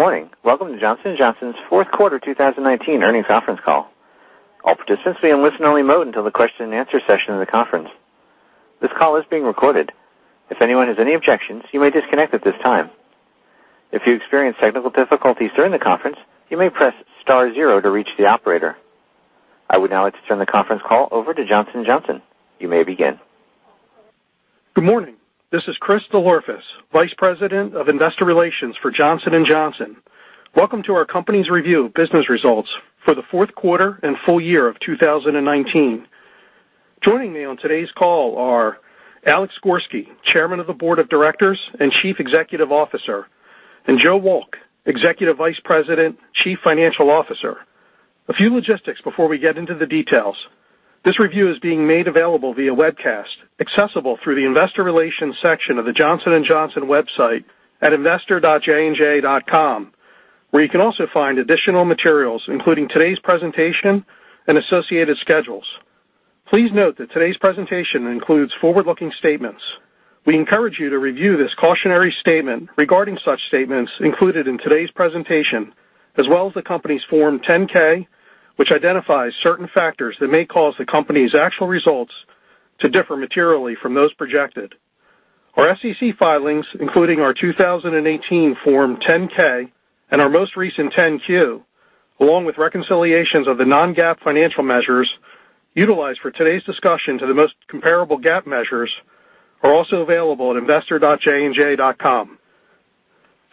Good morning. Welcome to Johnson & Johnson's fourth quarter 2019 earnings conference call. All participants will be in listen-only mode until the question and answer session of the conference. This call is being recorded. If anyone has any objections, you may disconnect at this time. If you experience technical difficulties during the conference, you may press star zero to reach the operator. I would now like to turn the conference call over to Johnson & Johnson. You may begin. Good morning. This is Chris DelOrefice, Vice President of Investor Relations for Johnson & Johnson. Welcome to our company's review of business results for the fourth quarter and full year of 2019. Joining me on today's call are Alex Gorsky, Chairman of the Board of Directors and Chief Executive Officer, and Joe Wolk, Executive Vice President, Chief Financial Officer. A few logistics before we get into the details. This review is being made available via webcast, accessible through the investor relations section of the Johnson & Johnson website at investor.jnj.com, where you can also find additional materials, including today's presentation and associated schedules. Please note that today's presentation includes forward-looking statements. We encourage you to review this cautionary statement regarding such statements included in today's presentation, as well as the company's Form 10-K, which identifies certain factors that may cause the company's actual results to differ materially from those projected. Our SEC filings, including our 2018 Form 10-K and our most recent 10-Q, along with reconciliations of the non-GAAP financial measures utilized for today's discussion to the most comparable GAAP measures, are also available at investor.jnj.com.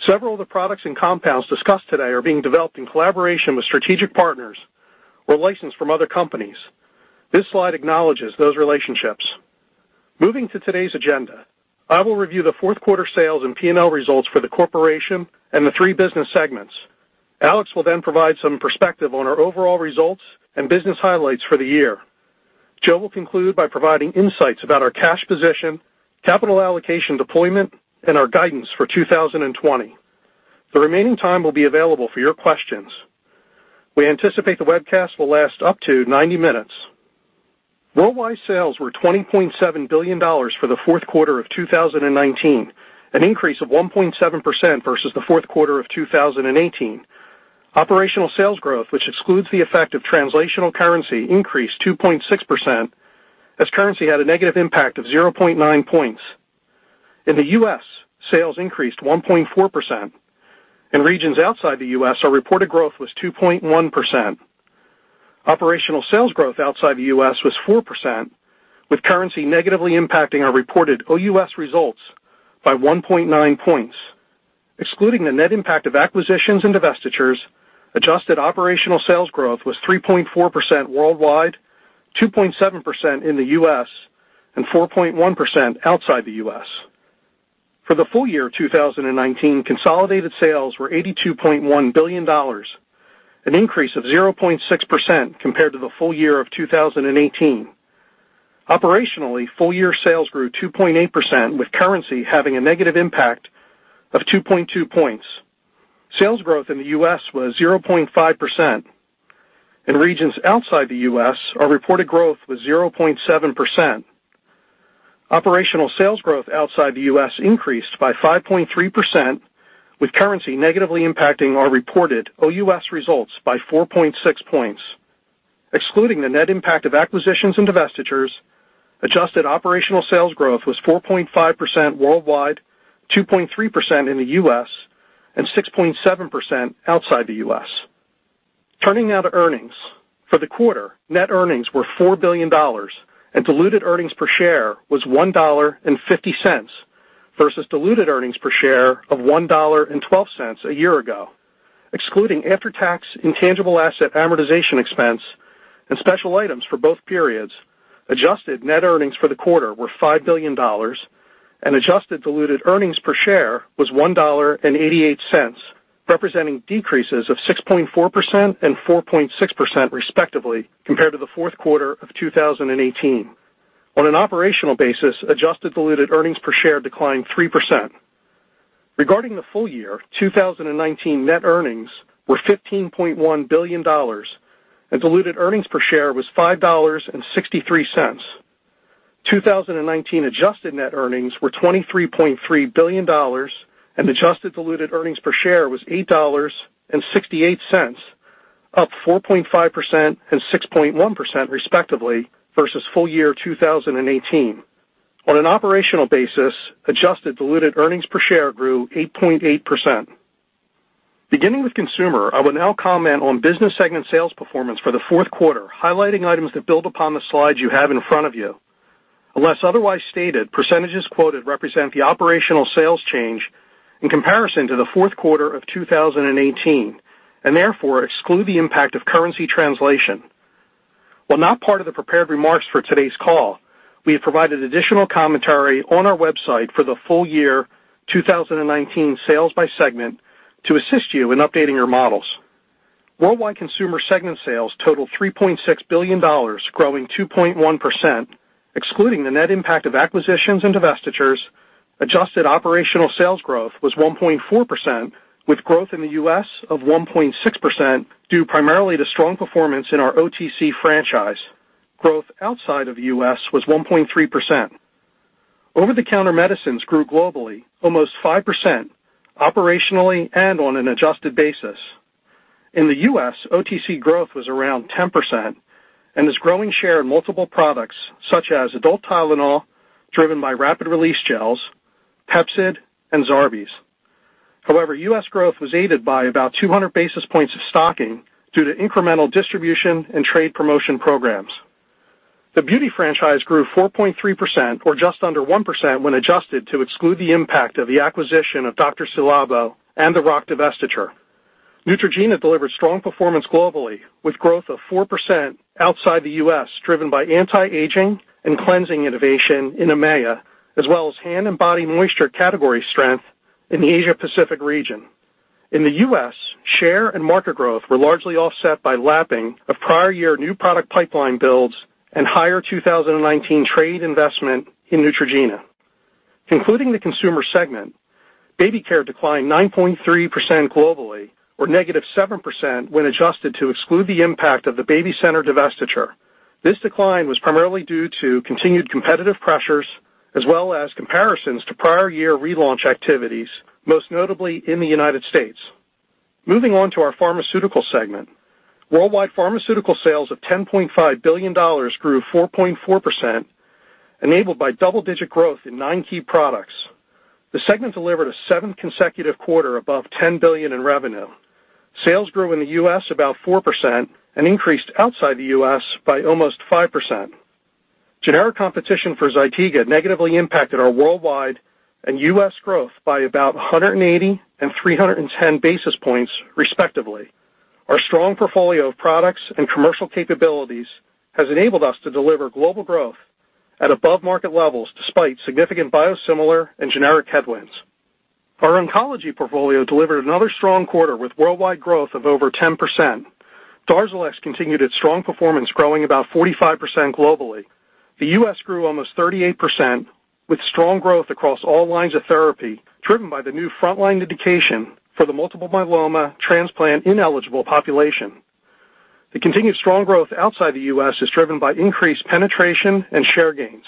Several of the products and compounds discussed today are being developed in collaboration with strategic partners or licensed from other companies. This slide acknowledges those relationships. Moving to today's agenda, I will review the fourth quarter sales and P&L results for the corporation and the three business segments. Alex will provide some perspective on our overall results and business highlights for the year. Joe will conclude by providing insights about our cash position, capital allocation deployment, and our guidance for 2020. The remaining time will be available for your questions. We anticipate the webcast will last up to 90 minutes. Worldwide sales were $20.7 billion for the fourth quarter of 2019, an increase of 1.7% versus the fourth quarter of 2018. Operational sales growth, which excludes the effect of translational currency, increased 2.6% as currency had a negative impact of 0.9 points. In the U.S., sales increased 1.4%. In regions outside the U.S., our reported growth was 2.1%. Operational sales growth outside the U.S. was 4%, with currency negatively impacting our reported OUS results by 1.9 points. Excluding the net impact of acquisitions and divestitures, adjusted operational sales growth was 3.4% worldwide, 2.7% in the U.S., and 4.1% outside the U.S. For the full year 2019, consolidated sales were $82.1 billion, an increase of 0.6% compared to the full year of 2018. Operationally, full-year sales grew 2.8%, with currency having a negative impact of 2.2 points. Sales growth in the U.S. was 0.5%. In regions outside the U.S., our reported growth was 0.7%. Operational sales growth outside the U.S. increased by 5.3%, with currency negatively impacting our reported OUS results by 4.6 points. Excluding the net impact of acquisitions and divestitures, adjusted operational sales growth was 4.5% worldwide, 2.3% in the U.S., and 6.7% outside the U.S. Turning now to earnings. For the quarter, net earnings were $4 billion and diluted earnings per share was $1.50 versus diluted earnings per share of $1.12 a year ago. Excluding after-tax intangible asset amortization expense and special items for both periods, adjusted net earnings for the quarter were $5 billion and adjusted diluted earnings per share was $1.88, representing decreases of 6.4% and 4.6% respectively compared to the fourth quarter of 2018. On an operational basis, adjusted diluted earnings per share declined 3%. Regarding the full year, 2019 net earnings were $15.1 billion and diluted earnings per share was $5.63. 2019 adjusted net earnings were $23.3 billion and adjusted diluted earnings per share was $8.68, up 4.5% and 6.1% respectively versus full year 2018. On an operational basis, adjusted diluted earnings per share grew 8.8%. Beginning with Consumer, I will now comment on business segment sales performance for the fourth quarter, highlighting items that build upon the slides you have in front of you. Unless otherwise stated, percentages quoted represent the operational sales change in comparison to the fourth quarter of 2018, therefore exclude the impact of currency translation. While not part of the prepared remarks for today's call, we have provided additional commentary on our website for the full year 2019 sales by segment to assist you in updating your models. Worldwide Consumer segment sales totaled $3.6 billion, growing 2.1%. Excluding the net impact of acquisitions and divestitures, adjusted operational sales growth was 1.4%, with growth in the U.S. of 1.6% due primarily to strong performance in our OTC franchise. Growth outside of the U.S. was 1.3%. Over-the-counter medicines grew globally almost 5% operationally and on an adjusted basis. In the U.S., OTC growth was around 10% and is growing share in multiple products such as adult TYLENOL, driven by rapid release gels, PEPCID, and Zarbee's. However, U.S. growth was aided by about 200 basis points of stocking due to incremental distribution and trade promotion programs. The beauty franchise grew 4.3%, or just under 1%, when adjusted to exclude the impact of the acquisition of Dr.Ci:Labo and the RoC divestiture. Neutrogena delivered strong performance globally with growth of 4% outside the U.S., driven by anti-aging and cleansing innovation in EMEA, as well as hand and body moisture category strength in the Asia Pacific region. In the U.S., share and market growth were largely offset by lapping of prior year new product pipeline builds and higher 2019 trade investment in Neutrogena. Concluding the consumer segment, baby care declined 9.3% globally or negative 7% when adjusted to exclude the impact of the BabyCenter divestiture. This decline was primarily due to continued competitive pressures as well as comparisons to prior year relaunch activities, most notably in the United States. Moving on to our pharmaceutical segment. Worldwide pharmaceutical sales of $10.5 billion grew 4.4%, enabled by double-digit growth in nine key products. The segment delivered a seventh consecutive quarter above $10 billion in revenue. Sales grew in the U.S. about 4% and increased outside the U.S. by almost 5%. Generic competition for ZYTIGA negatively impacted our worldwide and U.S. growth by about 180 and 310 basis points, respectively. Our strong portfolio of products and commercial capabilities has enabled us to deliver global growth at above market levels, despite significant biosimilar and generic headwinds. Our oncology portfolio delivered another strong quarter with worldwide growth of over 10%. DARZALEX continued its strong performance, growing about 45% globally. The U.S. grew almost 38% with strong growth across all lines of therapy, driven by the new frontline indication for the multiple myeloma transplant-ineligible population. The continued strong growth outside the U.S. is driven by increased penetration and share gains.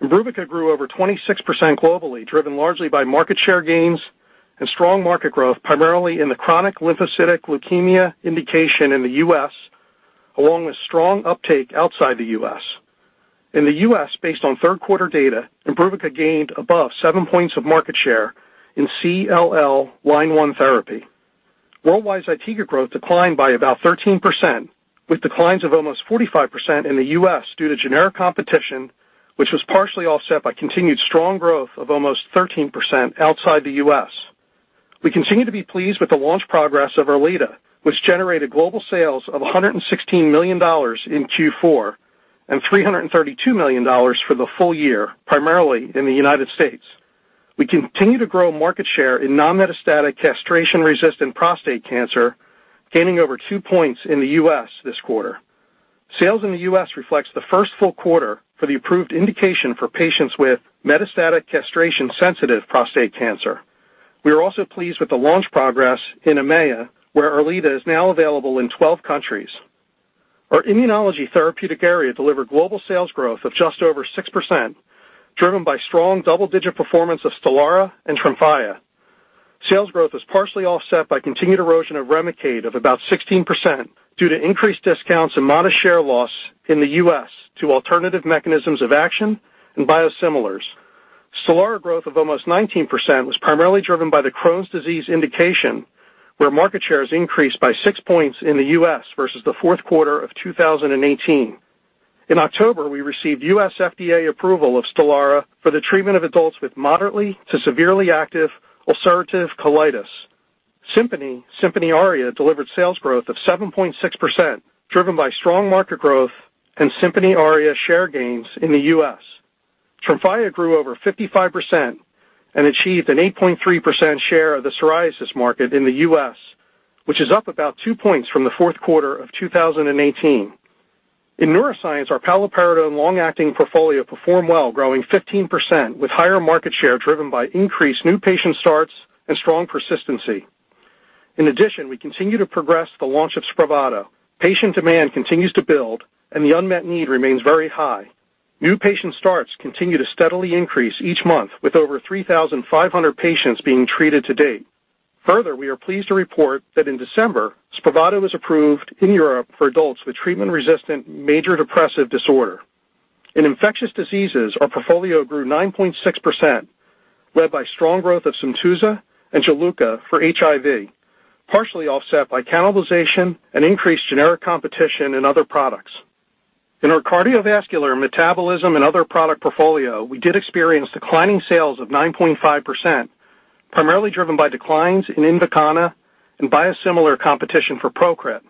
IMBRUVICA grew over 26% globally, driven largely by market share gains and strong market growth, primarily in the chronic lymphocytic leukemia indication in the U.S., along with strong uptake outside the U.S. In the U.S., based on third quarter data, IMBRUVICA gained above seven points of market share in CLL line one therapy. Worldwide ZYTIGA growth declined by about 13%, with declines of almost 45% in the U.S. due to generic competition, which was partially offset by continued strong growth of almost 13% outside the U.S. We continue to be pleased with the launch progress of ERLEADA, which generated global sales of $116 million in Q4 and $332 million for the full year, primarily in the United States. We continue to grow market share in non-metastatic castration-resistant prostate cancer, gaining over two points in the U.S. this quarter. Sales in the U.S. reflects the first full quarter for the approved indication for patients with metastatic castration-sensitive prostate cancer. We are also pleased with the launch progress in EMEA, where ERLEADA is now available in 12 countries. Our immunology therapeutic area delivered global sales growth of just over 6%, driven by strong double-digit performance of STELARA and TREMFYA. Sales growth was partially offset by continued erosion of REMICADE of about 16% due to increased discounts and modest share loss in the U.S. to alternative mechanisms of action and biosimilars. STELARA growth of almost 19% was primarily driven by the Crohn's disease indication, where market shares increased by six points in the U.S. versus the fourth quarter of 2018. In October, we received U.S. FDA approval of STELARA for the treatment of adults with moderately to severely active ulcerative colitis. SIMPONI/SIMPONI ARIA delivered sales growth of 7.6%, driven by strong market growth and SIMPONI ARIA share gains in the U.S. TREMFYA grew over 55% and achieved an 8.3% share of the psoriasis market in the U.S., which is up about 2 points from the fourth quarter of 2018. In neuroscience, our paliperidone long-acting portfolio performed well, growing 15% with higher market share driven by increased new patient starts and strong persistency. In addition, we continue to progress the launch of SPRAVATO. Patient demand continues to build and the unmet need remains very high. New patient starts continue to steadily increase each month with over 3,500 patients being treated to date. Further, we are pleased to report that in December, SPRAVATO was approved in Europe for adults with treatment-resistant major depressive disorder. In infectious diseases, our portfolio grew 9.6%, led by strong growth of SYMTUZA and JULUCA for HIV, partially offset by cannibalization and increased generic competition in other products. In our cardiovascular, metabolism, and other product portfolio, we did experience declining sales of 9.5%, primarily driven by declines in INVOKANA and biosimilar competition for PROCRIT.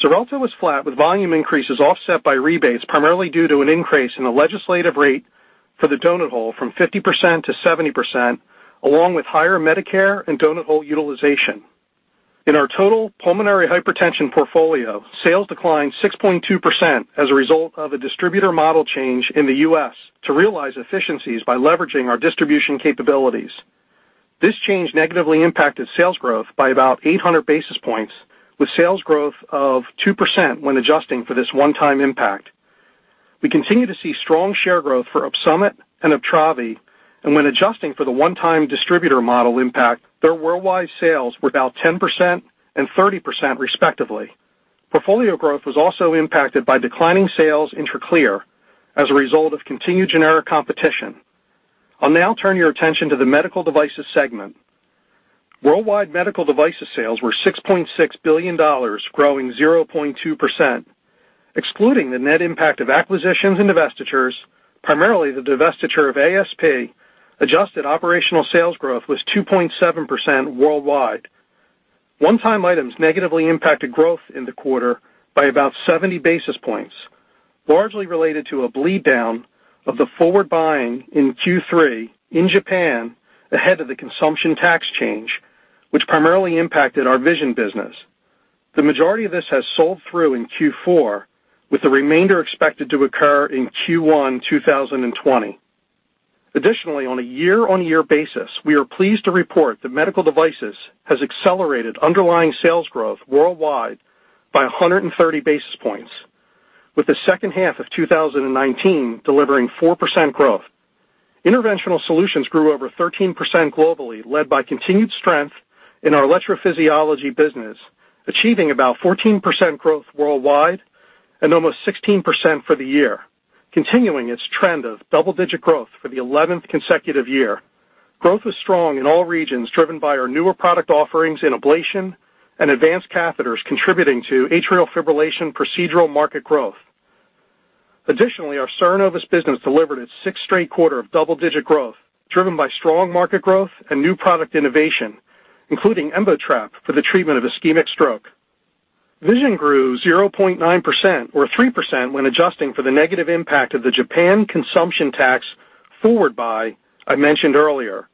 XARELTO was flat with volume increases offset by rebates primarily due to an increase in the legislative rate for the donut hole from 50% to 70%, along with higher Medicare and donut hole utilization. In our total pulmonary hypertension portfolio, sales declined 6.2% as a result of a distributor model change in the U.S. to realize efficiencies by leveraging our distribution capabilities. This change negatively impacted sales growth by about 800 basis points, with sales growth of 2% when adjusting for this one-time impact. We continue to see strong share growth for OPSUMIT and UPTRAVI, and when adjusting for the one-time distributor model impact, their worldwide sales were d 10% and 30% respectively. Portfolio growth was also impacted by declining sales Tracleer as a result of continued generic competition. I'll now turn your attention to the medical devices segment. Worldwide medical devices sales were $6.6 billion, growing 0.2%. Excluding the net impact of acquisitions and divestitures, primarily the divestiture of ASP, adjusted operational sales growth was 2.7% worldwide. One-time items negatively impacted growth in the quarter by about 70 basis points, largely related to a bleed down of the forward buying in Q3 in Japan ahead of the consumption tax change, which primarily impacted our vision business. The majority of this has sold through in Q4, with the remainder expected to occur in Q1 2020. Additionally, on a year-over-year basis, we are pleased to report that Medical Devices has accelerated underlying sales growth worldwide by 130 basis points, with the second half of 2019 delivering 4% growth. Interventional solutions grew over 13% globally, led by continued strength in our electrophysiology business, achieving about 14% growth worldwide and almost 16% for the year, continuing its trend of double-digit growth for the 11th consecutive year. Growth was strong in all regions, driven by our newer product offerings in ablation and advanced catheters contributing to atrial fibrillation procedural market growth. Additionally, our CERENOVUS business delivered its sixth straight quarter of double-digit growth, driven by strong market growth and new product innovation, including EmboTrap for the treatment of ischemic stroke. Vision grew 0.9%, or 3% when adjusting for the negative impact of the Japan consumption tax forward buy I mentioned earlier.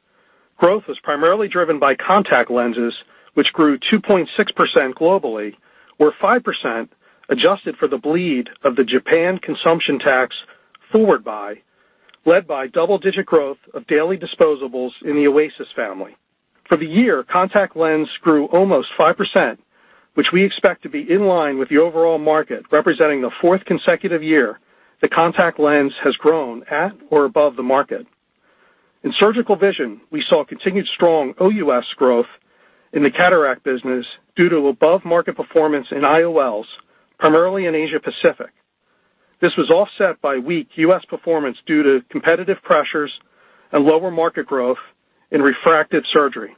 Growth was primarily driven by contact lenses, which grew 2.6% globally, or 5% adjusted for the bleed of the Japan consumption tax forward buy, led by double-digit growth of daily disposables in the Oasys family. For the year, contact lens grew almost 5%, which we expect to be in line with the overall market, representing the fourth consecutive year that contact lens has grown at or above the market. In surgical vision, we saw continued strong OUS growth in the cataract business due to above-market performance in IOLs, primarily in Asia Pacific. This was offset by weak U.S. performance due to competitive pressures and lower market growth in refractive surgery.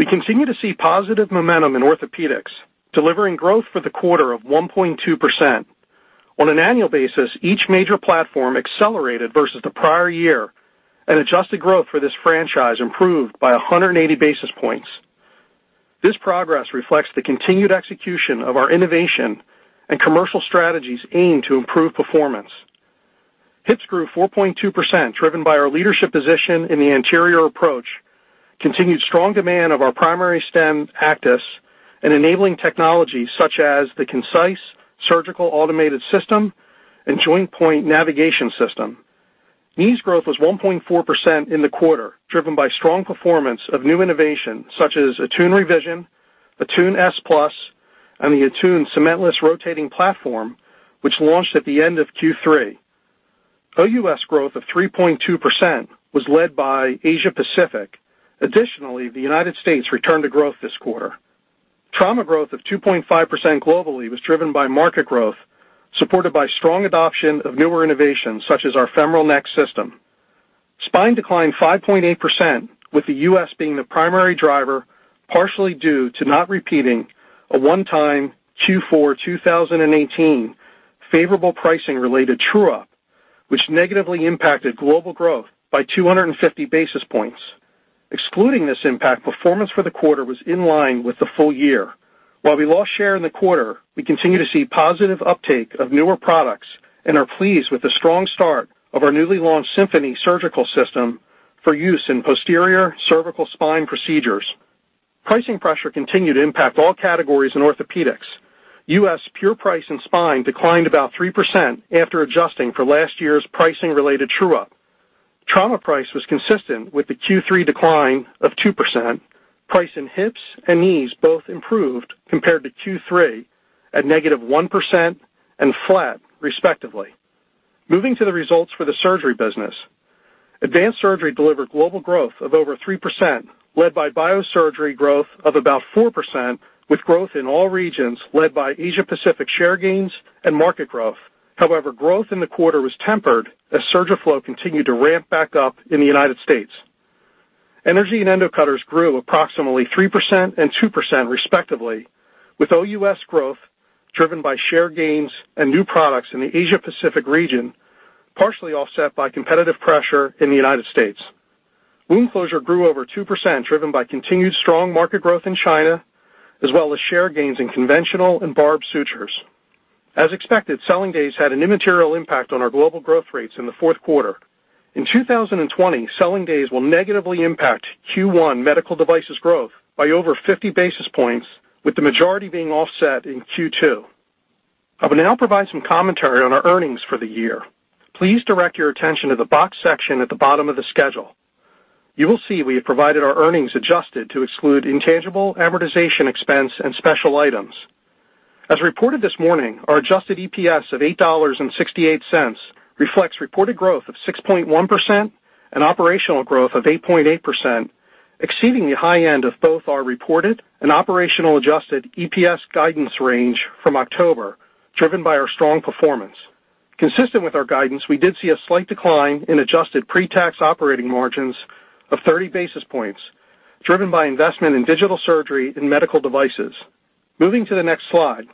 We continue to see positive momentum in orthopedics, delivering growth for the quarter of 1.2%. On an annual basis, each major platform accelerated versus the prior year, and adjusted growth for this franchise improved by 180 basis points. This progress reflects the continued execution of our innovation and commercial strategies aimed to improve performance. Hips grew 4.2%, driven by our leadership position in the anterior approach, continued strong demand of our primary stem ACTIS, and enabling technology such as the KINCISE surgical automated system and JointPoint navigation system. Knees growth was 1.4% in the quarter, driven by strong performance of new innovation such as ATTUNE Revision, ATTUNE S+, and the ATTUNE Cementless Rotating Platform, which launched at the end of Q3. OUS growth of 3.2% was led by Asia Pacific. Additionally, the U.S. returned to growth this quarter. Trauma growth of 2.5% globally was driven by market growth, supported by strong adoption of newer innovations such as our femoral neck system. Spine declined 5.8%, with the U.S. being the primary driver, partially due to not repeating a one-time Q4 2018 favorable pricing-related true-up, which negatively impacted global growth by 250 basis points. Excluding this impact, performance for the quarter was in line with the full year. While we lost share in the quarter, we continue to see positive uptake of newer products and are pleased with the strong start of our newly launched SYMPHONY surgical system for use in posterior cervical spine procedures. Pricing pressure continued to impact all categories in orthopedics. U.S. pure price and spine declined about 3% after adjusting for last year's pricing-related true-up. Trauma price was consistent with the Q3 decline of 2%. Price in hips and knees both improved compared to Q3 at negative 1% and flat respectively. Moving to the results for the surgery business. Advanced Surgery delivered global growth of over 3%, led by biosurgery growth of about 4%, with growth in all regions led by Asia Pacific share gains and market growth. However, growth in the quarter was tempered as SURGIFLO continued to ramp back up in the United States. Energy and endo cutters grew approximately 3% and 2% respectively, with OUS growth driven by share gains and new products in the Asia Pacific region, partially offset by competitive pressure in the United States. Wound closure grew over 2%, driven by continued strong market growth in China, as well as share gains in conventional and barbed sutures. As expected, selling days had an immaterial impact on our global growth rates in the fourth quarter. In 2020, selling days will negatively impact Q1 Medical Devices growth by over 50 basis points, with the majority being offset in Q2. I will now provide some commentary on our earnings for the year. Please direct your attention to the box section at the bottom of the schedule. You will see we have provided our earnings adjusted to exclude intangible amortization expense and special items. As reported this morning, our adjusted EPS of $8.68 reflects reported growth of 6.1% and operational growth of 8.8%, exceeding the high end of both our reported and operational adjusted EPS guidance range from October, driven by our strong performance. Consistent with our guidance, we did see a slight decline in adjusted pre-tax operating margins of 30 basis points, driven by investment in digital surgery and Medical Devices. Moving to the next slide,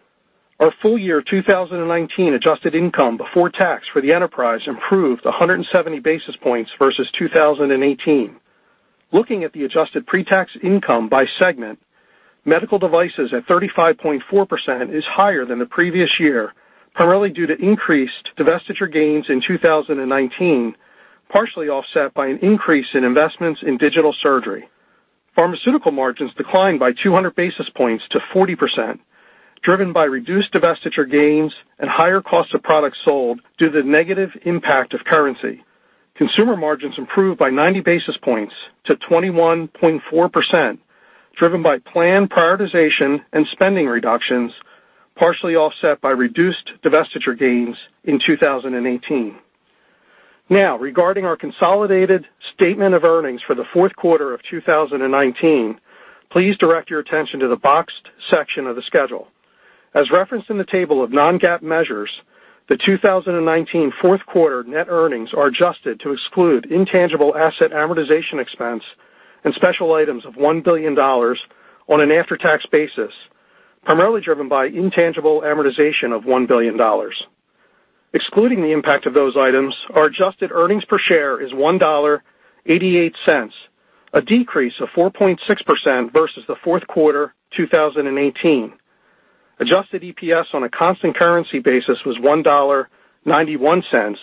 our full year 2019 adjusted income before tax for the enterprise improved 170 basis points versus 2018. Looking at the adjusted pre-tax income by segment, Medical Devices at 35.4% is higher than the previous year, primarily due to increased divestiture gains in 2019, partially offset by an increase in investments in digital surgery. Pharmaceutical margins declined by 200 basis points to 40%, driven by reduced divestiture gains and higher cost of products sold due to the negative impact of currency. Consumer margins improved by 90 basis points to 21.4%, driven by planned prioritization and spending reductions, partially offset by reduced divestiture gains in 2018. Regarding our consolidated statement of earnings for the fourth quarter of 2019, please direct your attention to the boxed section of the schedule. As referenced in the table of non-GAAP measures, the 2019 fourth quarter net earnings are adjusted to exclude intangible asset amortization expense and special items of $1 billion on an after-tax basis, primarily driven by intangible amortization of $1 billion. Excluding the impact of those items, our adjusted earnings per share is $1.88, a decrease of 4.6% versus the fourth quarter 2018. Adjusted EPS on a constant currency basis was $1.91,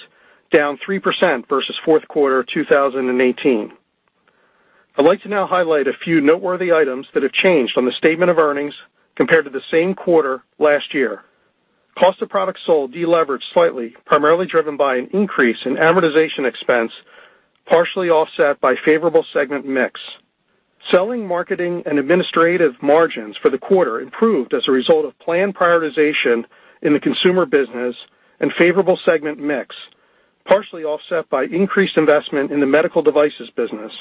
down 3% versus fourth quarter 2018. I'd like to now highlight a few noteworthy items that have changed on the statement of earnings compared to the same quarter last year. Cost of products sold deleveraged slightly, primarily driven by an increase in amortization expense, partially offset by favorable segment mix. Selling, marketing, and administrative margins for the quarter improved as a result of planned prioritization in the Consumer business and favorable segment mix, partially offset by increased investment in the Medical Devices business.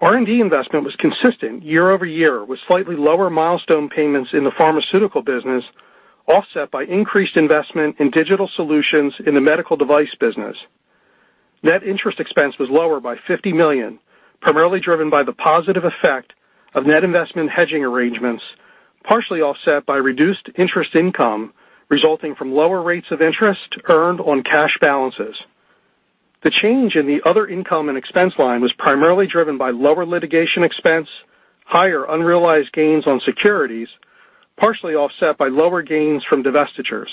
R&D investment was consistent year-over-year, with slightly lower milestone payments in the Pharmaceutical business, offset by increased investment in digital solutions in the Medical Devices business. Net interest expense was lower by $50 million, primarily driven by the positive effect of net investment hedging arrangements, partially offset by reduced interest income resulting from lower rates of interest earned on cash balances. The change in the other income and expense line was primarily driven by lower litigation expense, higher unrealized gains on securities, partially offset by lower gains from divestitures.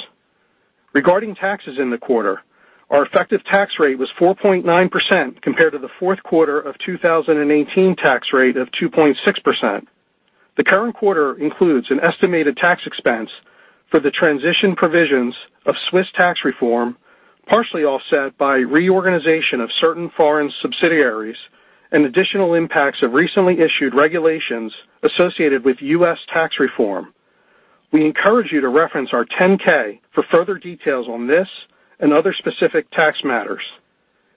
Regarding taxes in the quarter, our effective tax rate was 4.9% compared to the fourth quarter of 2018 tax rate of 2.6%. The current quarter includes an estimated tax expense for the transition provisions of Swiss tax reform, partially offset by reorganization of certain foreign subsidiaries and additional impacts of recently issued regulations associated with U.S. tax reform. We encourage you to reference our 10-K for further details on this and other specific tax matters.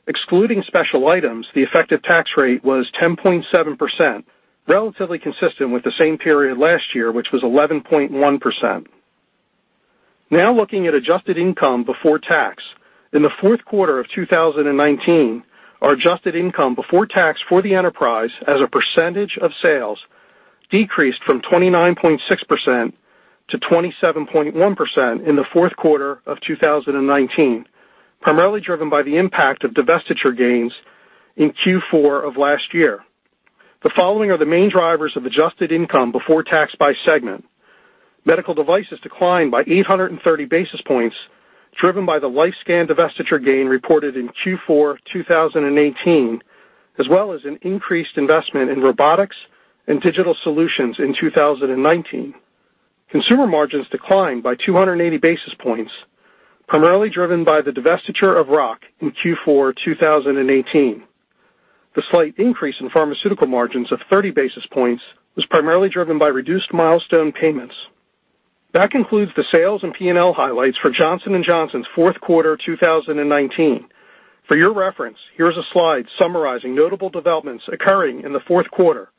Excluding special items, the effective tax rate was 10.7%, relatively consistent with the same period last year, which was 11.1%. Looking at adjusted income before tax. In the fourth quarter of 2019, our adjusted income before tax for the enterprise as a percentage of sales decreased from 29.6% to 27.1% in the fourth quarter of 2019, primarily driven by the impact of divestiture gains in Q4 of last year. The following are the main drivers of adjusted income before tax by segment. Medical Devices declined by 830 basis points, driven by the LifeScan divestiture gain reported in Q4 2018, as well as an increased investment in robotics and digital solutions in 2019. Consumer margins declined by 280 basis points, primarily driven by the divestiture of RoC in Q4 2018. The slight increase in Pharmaceutical margins of 30 basis points was primarily driven by reduced milestone payments. That concludes the sales and P&L highlights for Johnson & Johnson's fourth quarter 2019. For your reference, here is a slide summarizing notable developments occurring in the fourth quarter,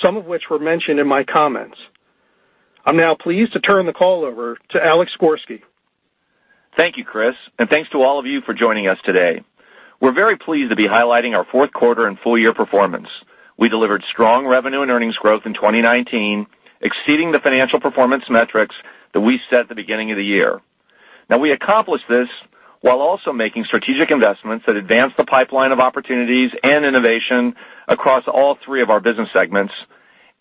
some of which were mentioned in my comments. I'm now pleased to turn the call over to Alex Gorsky. Thank you, Chris, and thanks to all of you for joining us today. We're very pleased to be highlighting our fourth quarter and full year performance. We delivered strong revenue and earnings growth in 2019, exceeding the financial performance metrics that we set at the beginning of the year. Now, we accomplished this while also making strategic investments that advanced the pipeline of opportunities and innovation across all three of our business segments.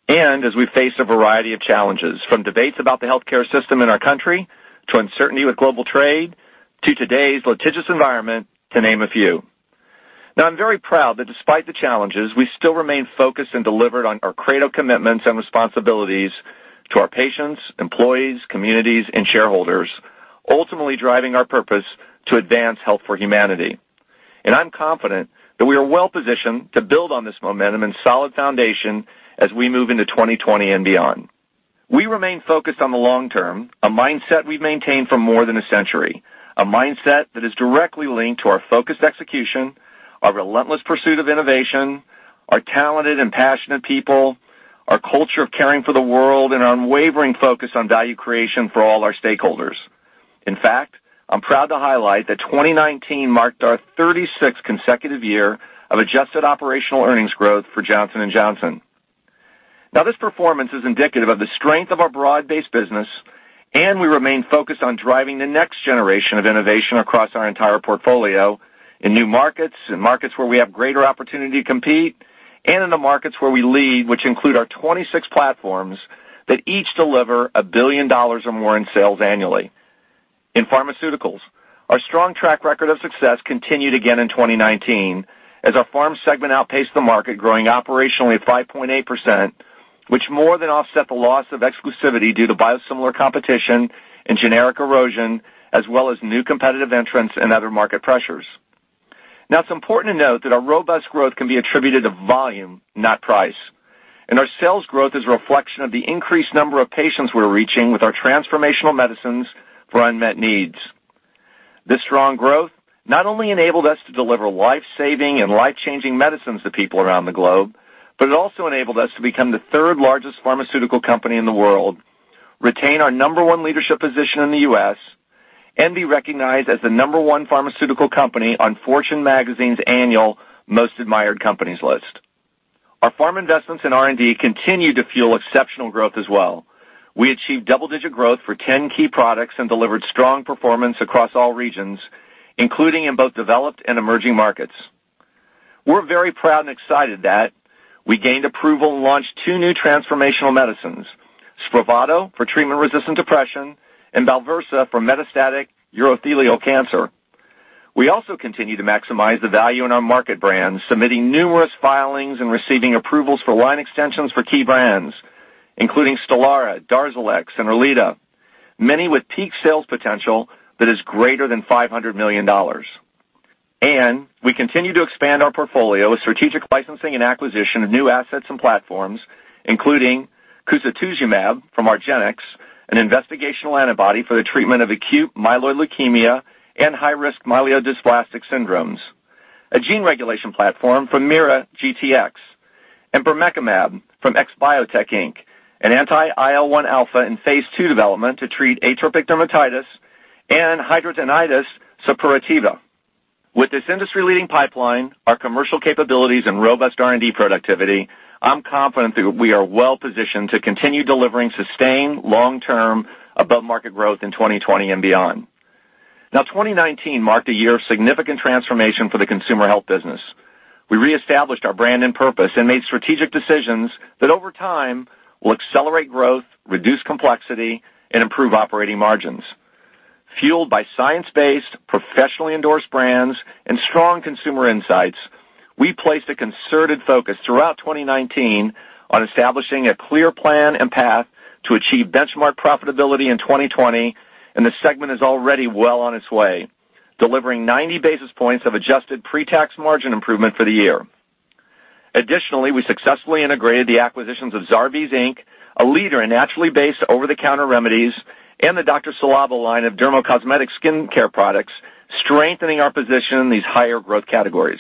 As we face a variety of challenges, from debates about the healthcare system in our country, to uncertainty with global trade, to today's litigious environment, to name a few. Now I'm very proud that despite the challenges, we still remained focused and delivered on our credo commitments and responsibilities to our patients, employees, communities, and shareholders, ultimately driving our purpose to advance health for humanity. I'm confident that we are well-positioned to build on this momentum and solid foundation as we move into 2020 and beyond. We remain focused on the long term, a mindset we've maintained for more than a century, a mindset that is directly linked to our focused execution, our relentless pursuit of innovation, our talented and passionate people, our culture of caring for the world, and our unwavering focus on value creation for all our stakeholders. In fact, I'm proud to highlight that 2019 marked our 36th consecutive year of adjusted operational earnings growth for Johnson & Johnson. Now this performance is indicative of the strength of our broad-based business, and we remain focused on driving the next generation of innovation across our entire portfolio in new markets, in markets where we have greater opportunity to compete, and in the markets where we lead, which include our 26 platforms that each deliver $1 billion or more in sales annually. In pharmaceuticals, our strong track record of success continued again in 2019 as our pharm segment outpaced the market, growing operationally at 5.8%, which more than offset the loss of exclusivity due to biosimilar competition and generic erosion, as well as new competitive entrants and other market pressures. Now it's important to note that our robust growth can be attributed to volume, not price. Our sales growth is a reflection of the increased number of patients we're reaching with our transformational medicines for unmet needs. This strong growth not only enabled us to deliver life-saving and life-changing medicines to people around the globe, but it also enabled us to become the third largest pharmaceutical company in the world, retain our number one leadership position in the U.S., and be recognized as the number one pharmaceutical company on Fortune magazine's annual Most Admired Companies list. Our pharm investments in R&D continue to fuel exceptional growth as well. We achieved double-digit growth for 10 key products and delivered strong performance across all regions, including in both developed and emerging markets. We're very proud and excited that we gained approval and launched two new transformational medicines, SPRAVATO for treatment-resistant depression and BALVERSA for metastatic urothelial cancer. We also continue to maximize the value in our market brands, submitting numerous filings and receiving approvals for line extensions for key brands, including STELARA, DARZALEX, and ORILIYA, many with peak sales potential that is greater than $500 million. We continue to expand our portfolio with strategic licensing and acquisition of new assets and platforms, including cusatuzumab from argenx, an investigational antibody for the treatment of acute myeloid leukemia and high-risk myelodysplastic syndromes, a gene regulation platform from MeiraGTx, and bermekimab from XBiotech Inc., an anti-IL-1 alpha in phase II development to treat atopic dermatitis and hidradenitis suppurativa. With this industry-leading pipeline, our commercial capabilities, and robust R&D productivity, I'm confident that we are well-positioned to continue delivering sustained long-term above-market growth in 2020 and beyond. 2019 marked a year of significant transformation for the consumer health business. We reestablished our brand and purpose and made strategic decisions that over time will accelerate growth, reduce complexity, and improve operating margins. Fueled by science-based, professionally endorsed brands and strong consumer insights, we placed a concerted focus throughout 2019 on establishing a clear plan and path to achieve benchmark profitability in 2020, and the segment is already well on its way, delivering 90 basis points of adjusted pre-tax margin improvement for the year. Additionally, we successfully integrated the acquisitions of Zarbee's, Inc., a leader in naturally-based over-the-counter remedies, and the Dr. Ci:Labo line of dermocosmetic skincare products, strengthening our position in these higher growth categories.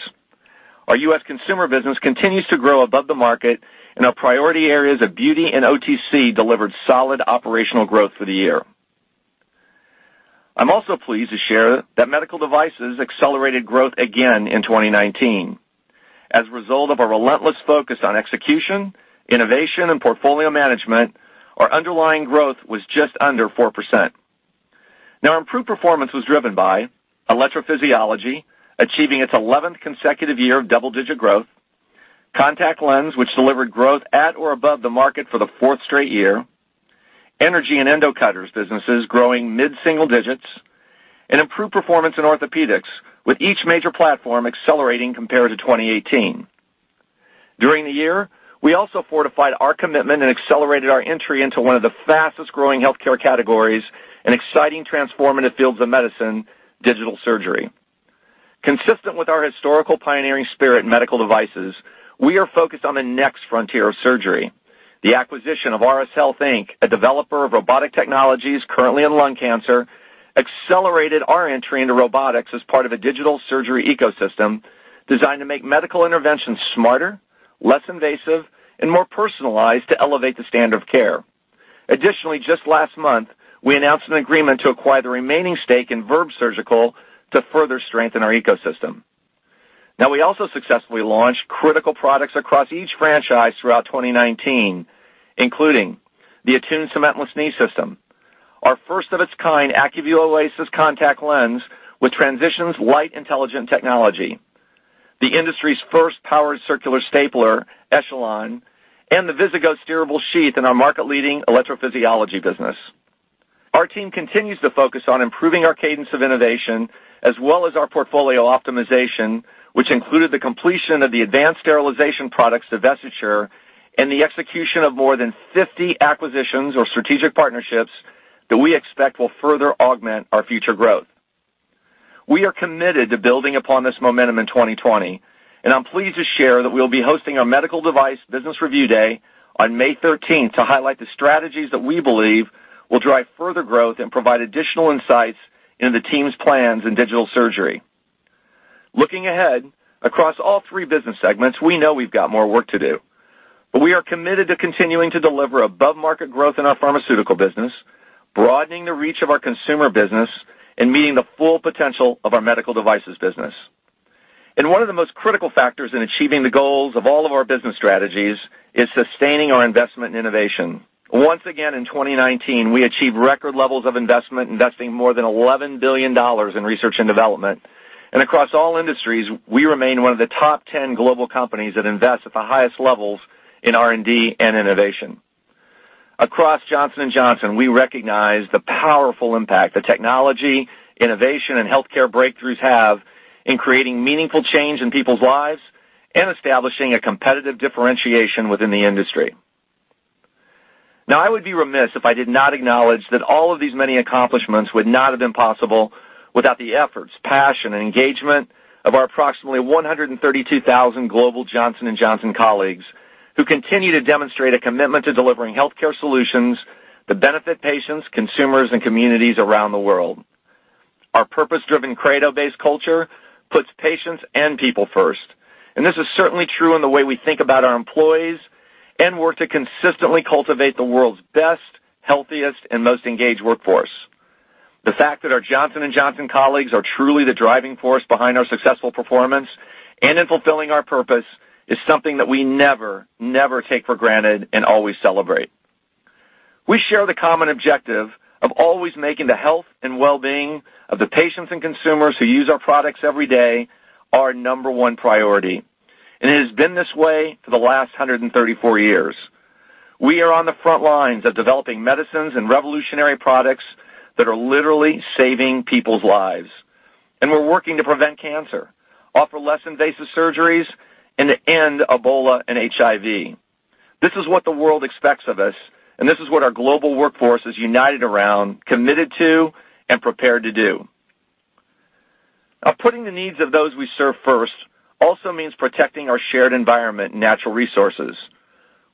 Our U.S. consumer business continues to grow above the market, and our priority areas of beauty and OTC delivered solid operational growth for the year. I'm also pleased to share that Medical Devices accelerated growth again in 2019. As a result of our relentless focus on execution, innovation, and portfolio management, our underlying growth was just under 4%. Our improved performance was driven by electrophysiology achieving its 11th consecutive year of double-digit growth, contact lens which delivered growth at or above the market for the fourth straight year, energy and endocutters businesses growing mid-single digits, and improved performance in orthopedics, with each major platform accelerating compared to 2018. During the year, we also fortified our commitment and accelerated our entry into one of the fastest-growing healthcare categories and exciting transformative fields of medicine, digital surgery. Consistent with our historical pioneering spirit in medical devices, we are focused on the next frontier of surgery. The acquisition of Auris Health, Inc., a developer of robotic technologies currently in lung cancer, accelerated our entry into robotics as part of a digital surgery ecosystem designed to make medical interventions smarter, less invasive, and more personalized to elevate the standard of care. Just last month, we announced an agreement to acquire the remaining stake in Verb Surgical to further strengthen our ecosystem. We also successfully launched critical products across each franchise throughout 2019, including the ATTUNE cementless knee system, our first of its kind ACUVUE OASYS contact lens with Transitions Light Intelligent Technology, the industry's first powered circular stapler, ECHELON, and the VIZIGO steerable sheath in our market-leading electrophysiology business. Our team continues to focus on improving our cadence of innovation as well as our portfolio optimization, which included the completion of the Advanced Sterilization Products divestiture and the execution of more than 50 acquisitions or strategic partnerships that we expect will further augment our future growth. We are committed to building upon this momentum in 2020. I'm pleased to share that we will be hosting our Medical Device Business Review Day on May 13th to highlight the strategies that we believe will drive further growth and provide additional insights into the team's plans in digital surgery. Looking ahead, across all three business segments, we know we've got more work to do, but we are committed to continuing to deliver above-market growth in our pharmaceutical business, broadening the reach of our consumer business, and meeting the full potential of our medical devices business. One of the most critical factors in achieving the goals of all of our business strategies is sustaining our investment in innovation. Once again, in 2019, we achieved record levels of investment, investing more than $11 billion in research and development. Across all industries, we remain one of the top 10 global companies that invest at the highest levels in R&D and innovation. Across Johnson & Johnson, we recognize the powerful impact that technology, innovation, and healthcare breakthroughs have in creating meaningful change in people's lives and establishing a competitive differentiation within the industry. I would be remiss if I did not acknowledge that all of these many accomplishments would not have been possible without the efforts, passion, and engagement of our approximately 132,000 global Johnson & Johnson colleagues who continue to demonstrate a commitment to delivering healthcare solutions that benefit patients, consumers, and communities around the world. Our purpose-driven Credo-based culture puts patients and people first, and this is certainly true in the way we think about our employees and work to consistently cultivate the world's best, healthiest, and most engaged workforce. The fact that our Johnson & Johnson colleagues are truly the driving force behind our successful performance and in fulfilling our purpose is something that we never take for granted and always celebrate. We share the common objective of always making the health and well-being of the patients and consumers who use our products every day our number one priority. It has been this way for the last 134 years. We are on the front lines of developing medicines and revolutionary products that are literally saving people's lives. We're working to prevent cancer, offer less invasive surgeries, and to end Ebola and HIV. This is what the world expects of us. This is what our global workforce is united around, committed to, and prepared to do. Now, putting the needs of those we serve first also means protecting our shared environment and natural resources.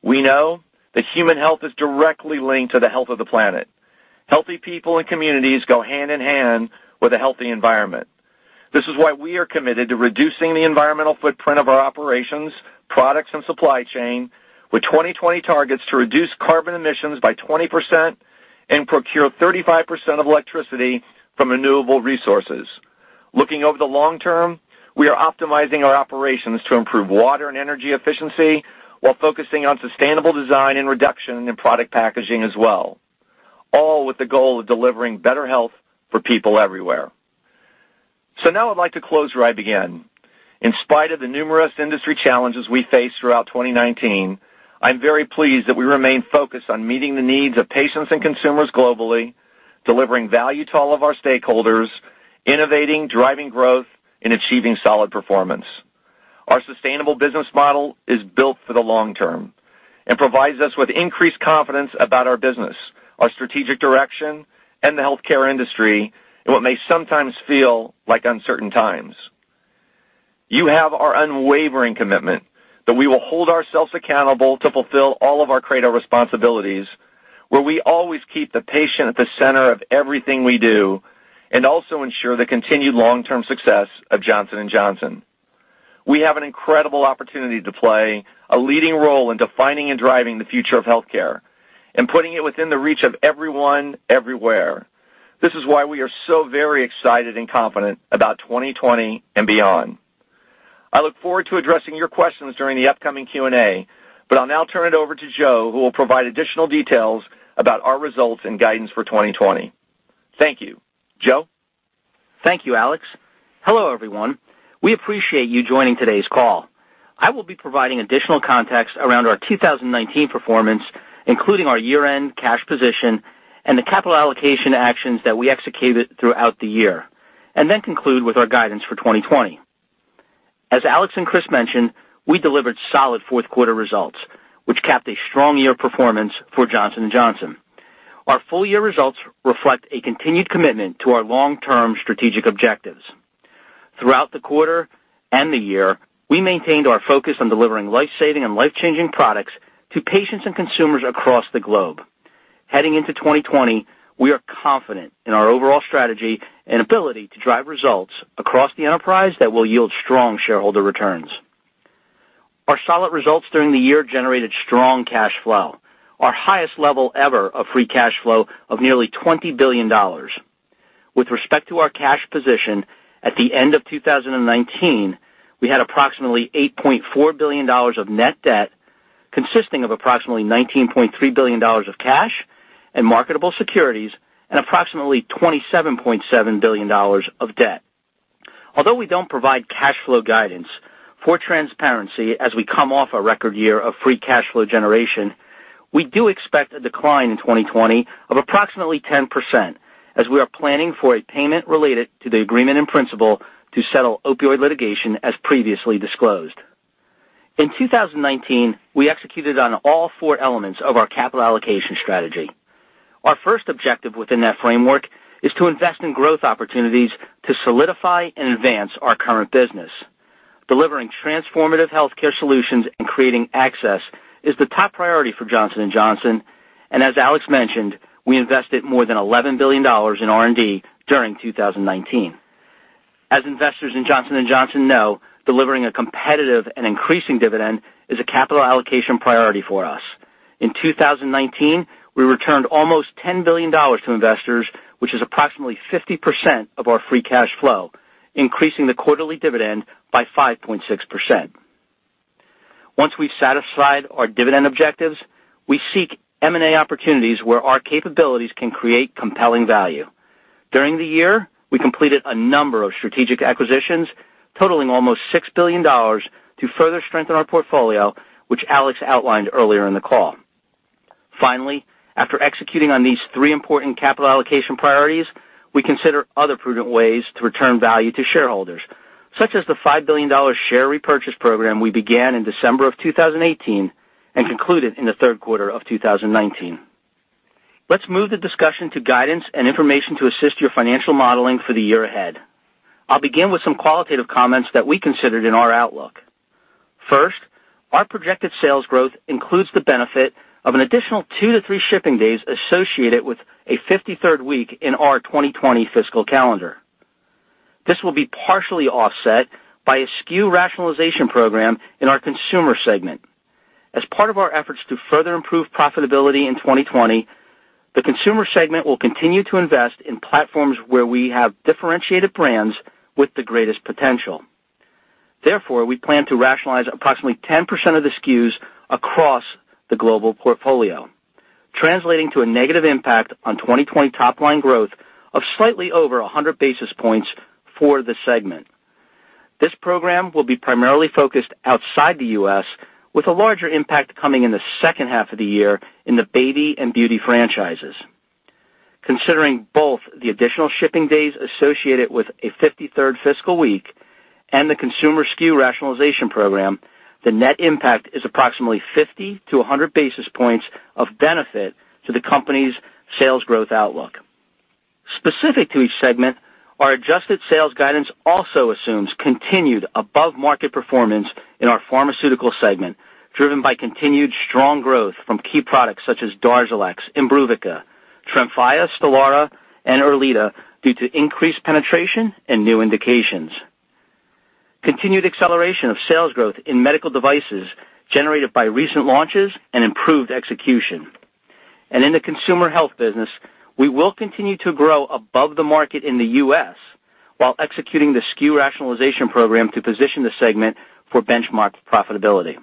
We know that human health is directly linked to the health of the planet. Healthy people and communities go hand in hand with a healthy environment. This is why we are committed to reducing the environmental footprint of our operations, products, and supply chain with 2020 targets to reduce carbon emissions by 20% and procure 35% of electricity from renewable resources. Looking over the long term, we are optimizing our operations to improve water and energy efficiency while focusing on sustainable design and reduction in product packaging as well, all with the goal of delivering better health for people everywhere. Now I'd like to close where I began. In spite of the numerous industry challenges we faced throughout 2019, I'm very pleased that we remain focused on meeting the needs of patients and consumers globally, delivering value to all of our stakeholders, innovating, driving growth, and achieving solid performance. Our sustainable business model is built for the long term and provides us with increased confidence about our business, our strategic direction in the healthcare industry, and what may sometimes feel like uncertain times. You have our unwavering commitment that we will hold ourselves accountable to fulfill all of our Credo responsibilities, where we always keep the patient at the center of everything we do and also ensure the continued long-term success of Johnson & Johnson. We have an incredible opportunity to play a leading role in defining and driving the future of healthcare and putting it within the reach of everyone everywhere. This is why we are so very excited and confident about 2020 and beyond. I look forward to addressing your questions during the upcoming Q&A, but I'll now turn it over to Joe, who will provide additional details about our results and guidance for 2020. Thank you. Joe? Thank you, Alex. Hello, everyone. We appreciate you joining today's call. I will be providing additional context around our 2019 performance, including our year-end cash position and the capital allocation actions that we executed throughout the year, and then conclude with our guidance for 2020. As Alex and Chris mentioned, we delivered solid fourth quarter results, which capped a strong year of performance for Johnson & Johnson. Our full year results reflect a continued commitment to our long-term strategic objectives. Throughout the quarter and the year, we maintained our focus on delivering life-saving and life-changing products to patients and consumers across the globe. Heading into 2020, we are confident in our overall strategy and ability to drive results across the enterprise that will yield strong shareholder returns. Our solid results during the year generated strong cash flow, our highest level ever of free cash flow of nearly $20 billion. With respect to our cash position, at the end of 2019, we had approximately $8.4 billion of net debt, consisting of approximately $19.3 billion of cash and marketable securities and approximately $27.7 billion of debt. Although we don't provide cash flow guidance for transparency as we come off a record year of free cash flow generation, we do expect a decline in 2020 of approximately 10% as we are planning for a payment related to the agreement in principle to settle opioid litigation as previously disclosed. In 2019, we executed on all four elements of our capital allocation strategy. Our first objective within that framework is to invest in growth opportunities to solidify and advance our current business. Delivering transformative healthcare solutions and creating access is the top priority for Johnson & Johnson. As Alex mentioned, we invested more than $11 billion in R&D during 2019. As investors in Johnson & Johnson know, delivering a competitive and increasing dividend is a capital allocation priority for us. In 2019, we returned almost $10 billion to investors, which is approximately 50% of our free cash flow, increasing the quarterly dividend by 5.6%. Once we've satisfied our dividend objectives, we seek M&A opportunities where our capabilities can create compelling value. During the year, we completed a number of strategic acquisitions totaling almost $6 billion to further strengthen our portfolio, which Alex outlined earlier in the call. Finally, after executing on these three important capital allocation priorities, we consider other prudent ways to return value to shareholders, such as the $5 billion share repurchase program we began in December of 2018 and concluded in the third quarter of 2019. Let's move the discussion to guidance and information to assist your financial modeling for the year ahead. I'll begin with some qualitative comments that we considered in our outlook. First, our projected sales growth includes the benefit of an additional two to three shipping days associated with a 53rd week in our 2020 fiscal calendar. This will be partially offset by a SKU rationalization program in our consumer segment. As part of our efforts to further improve profitability in 2020, the consumer segment will continue to invest in platforms where we have differentiated brands with the greatest potential. Therefore, we plan to rationalize approximately 10% of the SKUs across the global portfolio, translating to a negative impact on 2020 top-line growth of slightly over 100 basis points for the segment. This program will be primarily focused outside the U.S., with a larger impact coming in the second half of the year in the baby and beauty franchises. Considering both the additional shipping days associated with a 53rd fiscal week and the consumer SKU rationalization program, the net impact is approximately 50-100 basis points of benefit to the company's sales growth outlook. Specific to each segment, our adjusted sales guidance also assumes continued above-market performance in our Pharmaceutical Segment, driven by continued strong growth from key products such as DARZALEX, IMBRUVICA, TREMFYA, STELARA, and ERLEADA due to increased penetration and new indications. Continued acceleration of sales growth in Medical Devices generated by recent launches and improved execution. In the Consumer Health Business, we will continue to grow above the market in the U.S. while executing the SKU rationalization program to position the segment for benchmark profitability.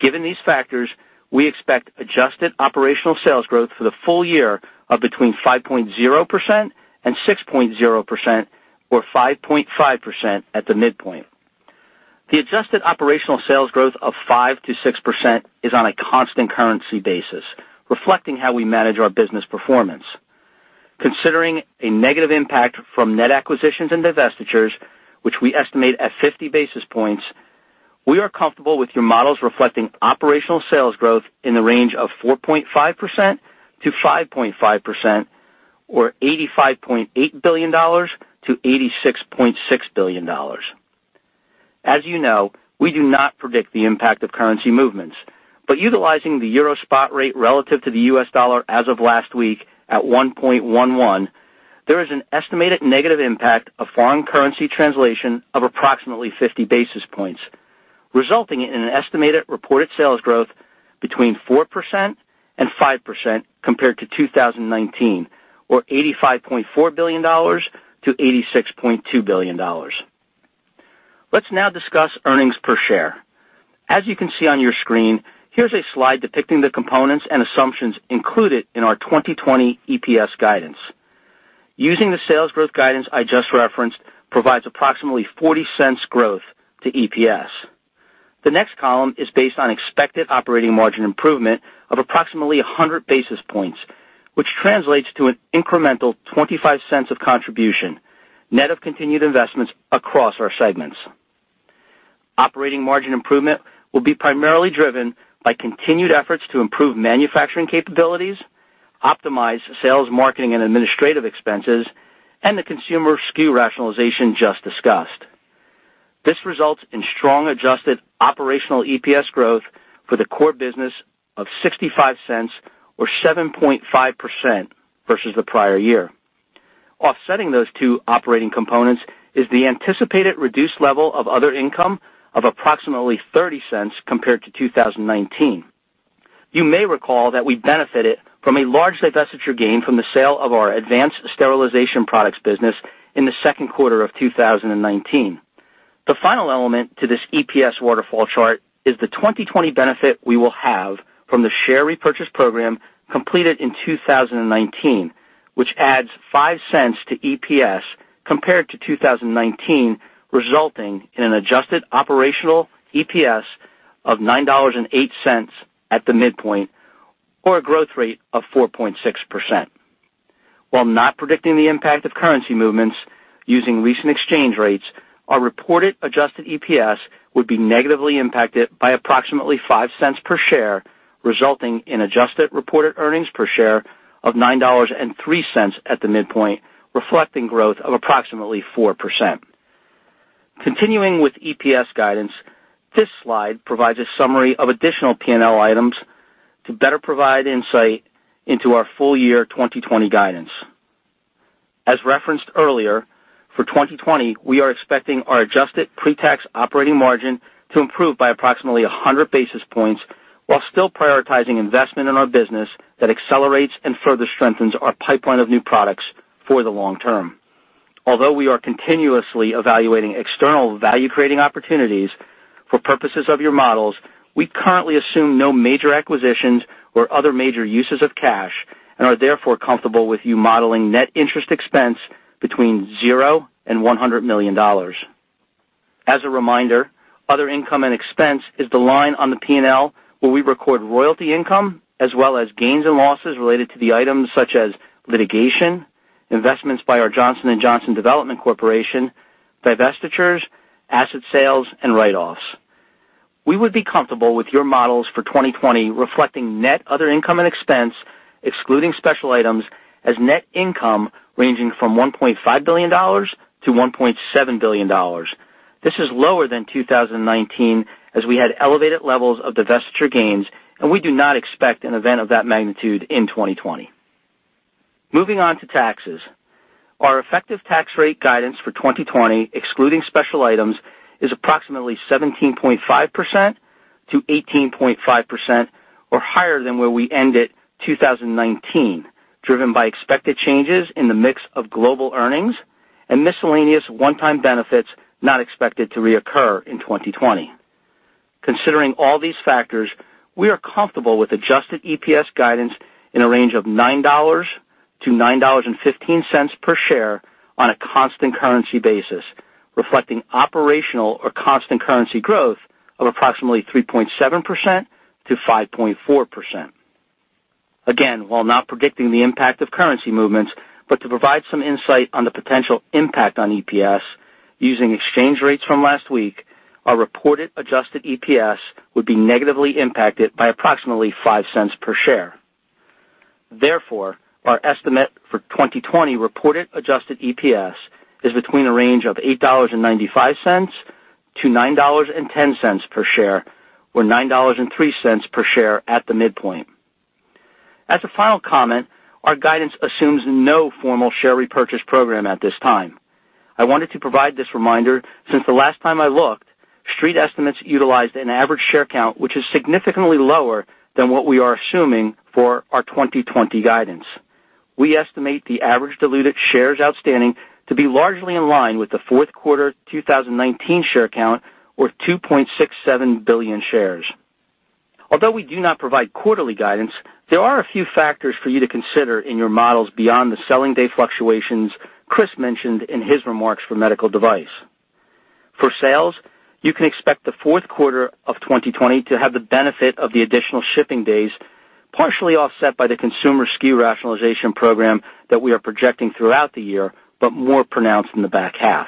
Given these factors, we expect adjusted operational sales growth for the full year of between 5.0%-6.0%, or 5.5% at the midpoint. The adjusted operational sales growth of 5% to 6% is on a constant currency basis, reflecting how we manage our business performance. Considering a negative impact from net acquisitions and divestitures, which we estimate at 50 basis points, we are comfortable with your models reflecting operational sales growth in the range of 4.5% to 5.5%, or $85.8 billion to $86.6 billion. As you know, we do not predict the impact of currency movements, but utilizing the euro spot rate relative to the US dollar as of last week at 1.11, there is an estimated negative impact of foreign currency translation of approximately 50 basis points, resulting in an estimated reported sales growth between 4% and 5% compared to 2019, or $85.4 billion to $86.2 billion. Let's now discuss earnings per share. As you can see on your screen, here's a slide depicting the components and assumptions included in our 2020 EPS guidance. Using the sales growth guidance I just referenced provides approximately $0.40 growth to EPS. The next column is based on expected operating margin improvement of approximately 100 basis points, which translates to an incremental $0.25 of contribution, net of continued investments across our segments. Operating margin improvement will be primarily driven by continued efforts to improve manufacturing capabilities, optimize sales, marketing, and administrative expenses, and the consumer SKU rationalization just discussed. This results in strong adjusted operational EPS growth for the core business of $0.65 or 7.5% versus the prior year. Offsetting those two operating components is the anticipated reduced level of other income of approximately $0.30 compared to 2019. You may recall that we benefited from a large divestiture gain from the sale of our Advanced Sterilization Products business in the second quarter of 2019. The final element to this EPS waterfall chart is the 2020 benefit we will have from the share repurchase program completed in 2019, which adds $0.05 to EPS compared to 2019, resulting in an adjusted operational EPS of $9.08 at the midpoint, or a growth rate of 4.6%. While not predicting the impact of currency movements using recent exchange rates, our reported adjusted EPS would be negatively impacted by approximately $0.05 per share, resulting in adjusted reported earnings per share of $9.03 at the midpoint, reflecting growth of approximately 4%. Continuing with EPS guidance, this slide provides a summary of additional P&L items to better provide insight into our full year 2020 guidance. As referenced earlier, for 2020, we are expecting our adjusted pre-tax operating margin to improve by approximately 100 basis points while still prioritizing investment in our business that accelerates and further strengthens our pipeline of new products for the long term. Although we are continuously evaluating external value-creating opportunities, for purposes of your models, we currently assume no major acquisitions or other major uses of cash and are therefore comfortable with you modeling net interest expense between zero and $100 million. As a reminder, other income and expense is the line on the P&L where we record royalty income, as well as gains and losses related to the items such as litigation, investments by our Johnson & Johnson Development Corporation, divestitures, asset sales, and write-offs. We would be comfortable with your models for 2020 reflecting net other income and expense, excluding special items, as net income ranging from $1.5 billion-$1.7 billion. This is lower than 2019, as we had elevated levels of divestiture gains, and we do not expect an event of that magnitude in 2020. Moving on to taxes. Our effective tax rate guidance for 2020, excluding special items, is approximately 17.5%-18.5% or higher than where we ended 2019, driven by expected changes in the mix of global earnings and miscellaneous one-time benefits not expected to reoccur in 2020. Considering all these factors, we are comfortable with adjusted EPS guidance in a range of $9-$9.15 per share on a constant currency basis, reflecting operational or constant currency growth of approximately 3.7%-5.4%. While not predicting the impact of currency movements, but to provide some insight on the potential impact on EPS, using exchange rates from last week, our reported adjusted EPS would be negatively impacted by approximately $0.05 per share. Our estimate for 2020 reported adjusted EPS is between a range of $8.95-$9.10 per share, or $9.03 per share at the midpoint. As a final comment, our guidance assumes no formal share repurchase program at this time. I wanted to provide this reminder since the last time I looked, street estimates utilized an average share count, which is significantly lower than what we are assuming for our 2020 guidance. We estimate the average diluted shares outstanding to be largely in line with the fourth quarter 2019 share count or 2.67 billion shares. Although we do not provide quarterly guidance, there are a few factors for you to consider in your models beyond the selling day fluctuations Chris mentioned in his remarks for Medical Devices. For sales, you can expect the fourth quarter of 2020 to have the benefit of the additional shipping days, partially offset by the consumer SKU rationalization program that we are projecting throughout the year, but more pronounced in the back half.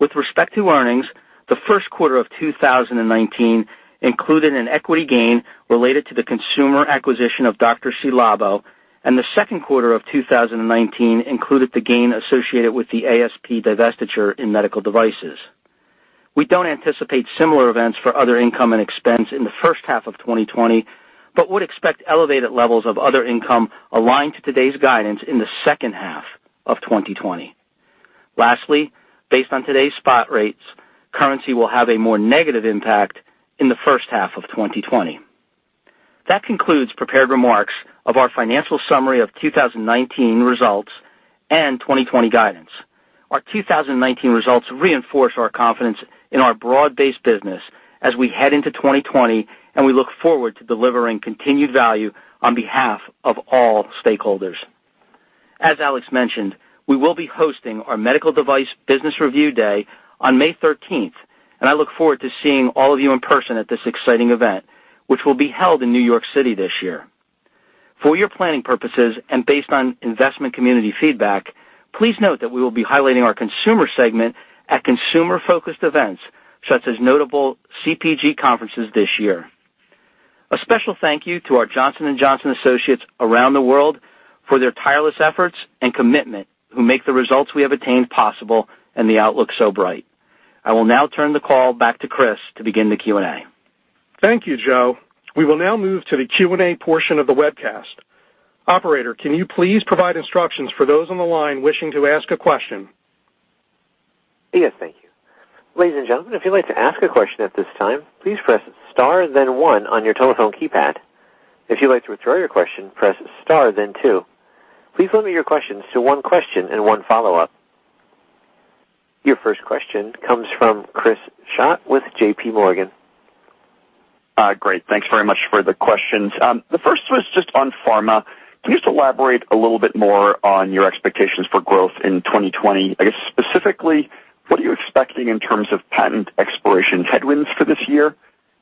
With respect to earnings, the first quarter of 2019 included an equity gain related to the consumer acquisition of Dr. Ci:Labo, and the second quarter of 2019 included the gain associated with the ASP divestiture in medical devices. We don't anticipate similar events for other income and expense in the first half of 2020, but would expect elevated levels of other income aligned to today's guidance in the second half of 2020. Lastly, based on today's spot rates, currency will have a more negative impact in the first half of 2020. That concludes prepared remarks of our financial summary of 2019 results and 2020 guidance. As Alex mentioned, we will be hosting our Medical Device Business Review Day on May 13th, and I look forward to seeing all of you in person at this exciting event, which will be held in New York City this year. For your planning purposes and based on investment community feedback, please note that we will be highlighting our consumer segment at consumer-focused events such as notable CPG conferences this year. A special thank you to our Johnson & Johnson associates around the world for their tireless efforts and commitment, who make the results we have attained possible and the outlook so bright. I will now turn the call back to Chris to begin the Q&A. Thank you, Joe. We will now move to the Q&A portion of the webcast. Operator, can you please provide instructions for those on the line wishing to ask a question? Yes, thank you. Ladies and gentlemen, if you'd like to ask a question at this time, please press star then one on your telephone keypad. If you'd like to withdraw your question, press star then two. Please limit your questions to one question and one follow-up. Your first question comes from Chris Schott with JPMorgan. Great. Thanks very much for the questions. The first was just on pharma. Can you just elaborate a little bit more on your expectations for growth in 2020? I guess specifically, what are you expecting in terms of patent expiration headwinds for this year?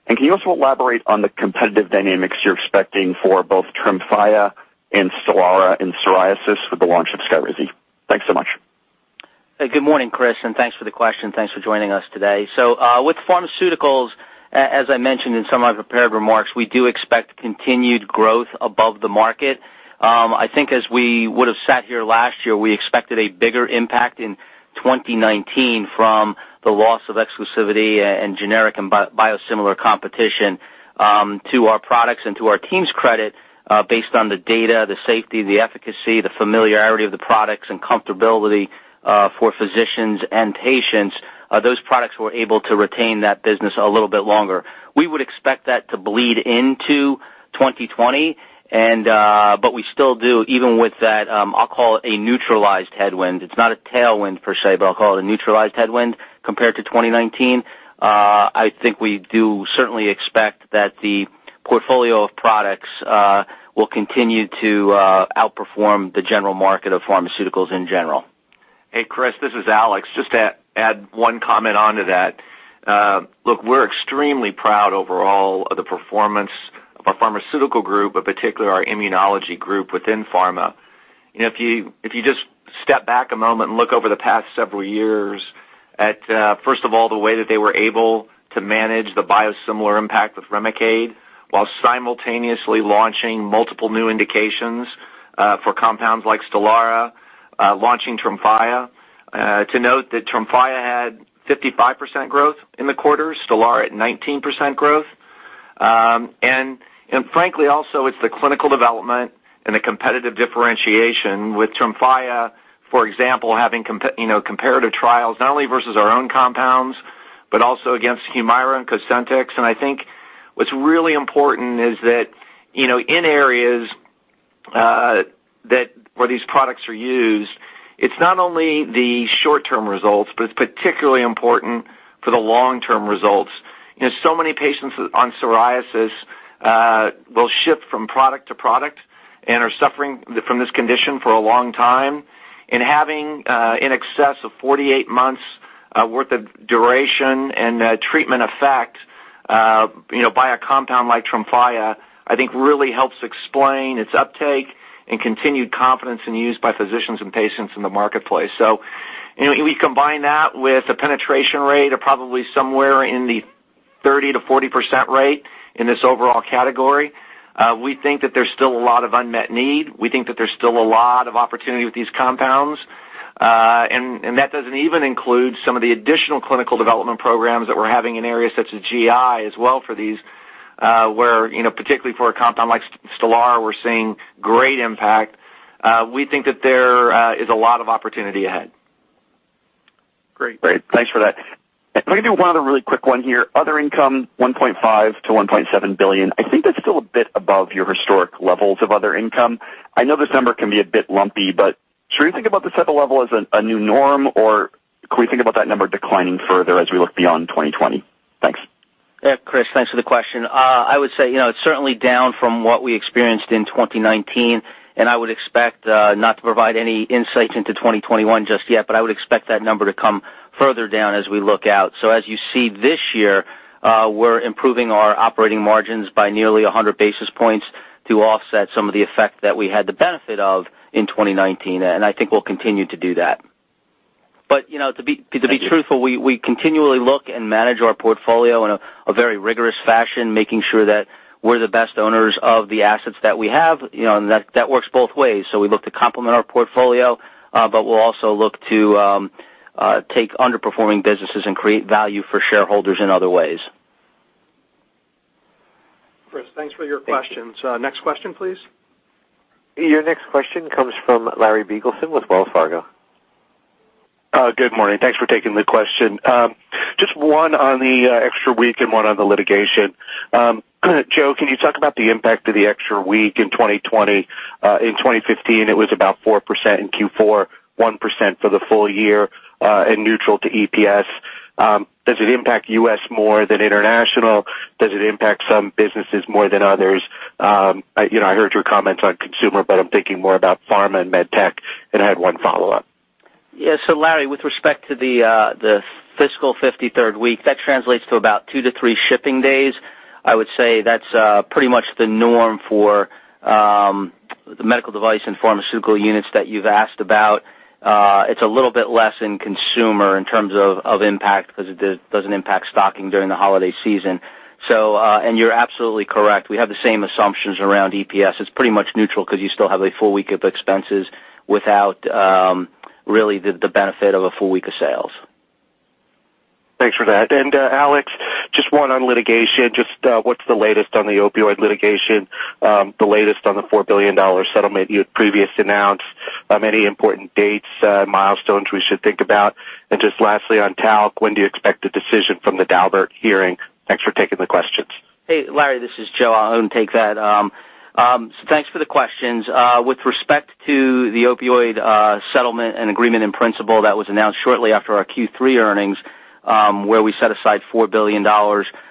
Can you also elaborate on the competitive dynamics you're expecting for both TREMFYA and STELARA in psoriasis with the launch of SKYRIZI? Thanks so much. Good morning, Chris. Thanks for the question. Thanks for joining us today. With pharmaceuticals, as I mentioned in some of my prepared remarks, we do expect continued growth above the market. I think as we would've sat here last year, we expected a bigger impact in 2019 from the loss of exclusivity and generic and biosimilar competition to our products and to our team's credit based on the data, the safety, the efficacy, the familiarity of the products, and comfortability for physicians and patients, those products were able to retain that business a little bit longer. We would expect that to bleed into 2020, we still do even with that, I'll call it a neutralized headwind. It's not a tailwind per se, I'll call it a neutralized headwind compared to 2019. I think we do certainly expect that the portfolio of products will continue to outperform the general market of pharmaceuticals in general. Hey, Chris, this is Alex. Just to add one comment onto that. Look, we're extremely proud overall of the performance of our pharmaceutical group, but particularly our immunology group within pharma. If you just step back a moment and look over the past several years at, first of all, the way that they were able to manage the biosimilar impact with REMICADE while simultaneously launching multiple new indications for compounds like STELARA, launching TREMFYA. To note that TREMFYA had 55% growth in the quarter, STELARA at 19% growth. Frankly, also, it's the clinical development and the competitive differentiation with TREMFYA, for example, having comparative trials, not only versus our own compounds, but also against HUMIRA and COSENTYX. I think what's really important is that in areas where these products are used, it's not only the short-term results, but it's particularly important for the long-term results. Many patients on psoriasis will shift from product to product and are suffering from this condition for a long time. Having in excess of 48 months worth of duration and treatment effect by a compound like TREMFYA, I think really helps explain its uptake and continued confidence in use by physicians and patients in the marketplace. We combine that with a penetration rate of probably somewhere in the 30%-40% rate in this overall category. We think that there's still a lot of unmet need. We think that there's still a lot of opportunity with these compounds. That doesn't even include some of the additional clinical development programs that we're having in areas such as GI as well for these, where particularly for a compound like STELARA, we're seeing great impact. We think that there is a lot of opportunity ahead. Great. Thanks for that. If I could do one other really quick one here. Other income, $1.5 billion-$1.7 billion. I think that's still a bit above your historic levels of other income. I know this number can be a bit lumpy, should we think about this type of level as a new norm, or can we think about that number declining further as we look beyond 2020? Thanks. Chris, thanks for the question. I would say it's certainly down from what we experienced in 2019, and I would expect not to provide any insight into 2021 just yet, but I would expect that number to come further down as we look out. As you see this year, we're improving our operating margins by nearly 100 basis points to offset some of the effect that we had the benefit of in 2019, and I think we'll continue to do that. To be truthful. Thank you. We continually look and manage our portfolio in a very rigorous fashion, making sure that we're the best owners of the assets that we have, that works both ways. We look to complement our portfolio, we'll also look to take underperforming businesses and create value for shareholders in other ways. Chris, thanks for your questions. Thank you. Next question, please. Your next question comes from Larry Biegelsen with Wells Fargo. Good morning. Thanks for taking the question. Just one on the extra week and one on the litigation. Joe, can you talk about the impact of the extra week in 2020? In 2015, it was about 4% in Q4, 1% for the full year, and neutral to EPS. Does it impact U.S. more than international? Does it impact some businesses more than others? I heard your comments on consumer, but I'm thinking more about pharma and MedTech, and I had one follow-up. Yeah. Larry, with respect to the fiscal 53rd week, that translates to about two to three shipping days. I would say that's pretty much the norm for the medical device and pharmaceutical units that you've asked about. It's a little bit less in consumer in terms of impact because it doesn't impact stocking during the holiday season. You're absolutely correct. We have the same assumptions around EPS. It's pretty much neutral because you still have a full week of expenses without really the benefit of a full week of sales. Thanks for that. Alex, just one on litigation. Just what's the latest on the opioid litigation, the latest on the $4 billion settlement you had previously announced? Any important dates, milestones we should think about? Just lastly, on talc, when do you expect a decision from the Daubert hearing? Thanks for taking the questions. Hey, Larry, this is Joe. I'll take that. Thanks for the questions. With respect to the opioid settlement and agreement in principle that was announced shortly after our Q3 earnings, where we set aside $4 billion,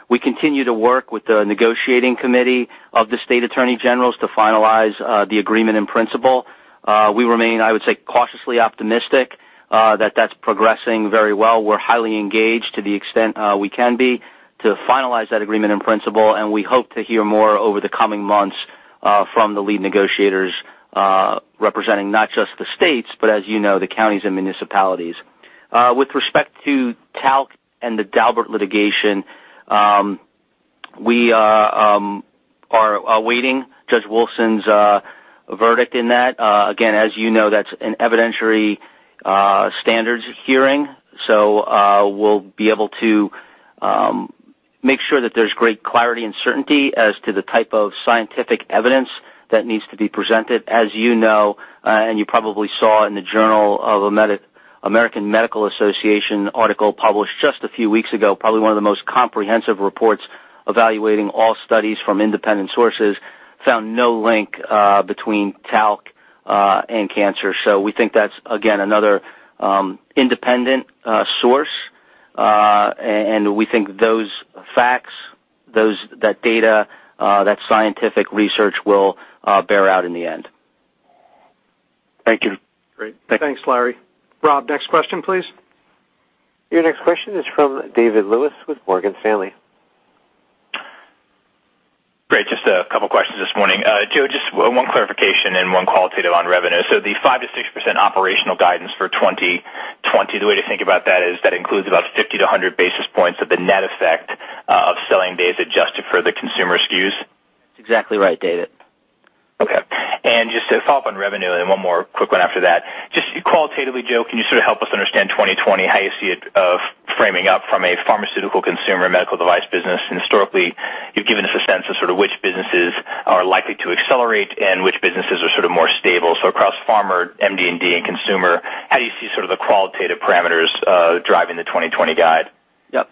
we continue to work with the negotiating committee of the state attorney generals to finalize the agreement in principle. We remain, I would say, cautiously optimistic that that's progressing very well. We're highly engaged to the extent we can be to finalize that agreement in principle. We hope to hear more over the coming months from the lead negotiators, representing not just the states, but as you know, the counties and municipalities. With respect to talc and the Daubert litigation, we are awaiting Judge Wolfson's verdict in that. Again, as you know, that's an evidentiary standards hearing, so we'll be able to make sure that there's great clarity and certainty as to the type of scientific evidence that needs to be presented. As you know, and you probably saw in the "Journal of the American Medical Association" article published just a few weeks ago, probably one of the most comprehensive reports evaluating all studies from independent sources, found no link between talc and cancer. We think that's, again, another independent source, and we think those facts, that data, that scientific research will bear out in the end. Thank you. Great. Thanks, Larry. Rob, next question, please. Your next question is from David Lewis with Morgan Stanley. Great, just a couple of questions this morning. Joe, just one clarification and one qualitative on revenue. The 5%-6% operational guidance for 2020, the way to think about that is, that includes about 50-100 basis points of the net effect of selling days adjusted for the consumer SKUs? That's exactly right, David. Okay. Just a follow-up on revenue and one more quick one after that. Just qualitatively, Joe, can you sort of help us understand 2020, how you see it framing up from a pharmaceutical consumer medical device business? Historically, you've given us a sense of sort of which businesses are likely to accelerate and which businesses are sort of more stable. Across pharma, MedTech, and consumer, how do you see sort of the qualitative parameters driving the 2020 guide? Yep.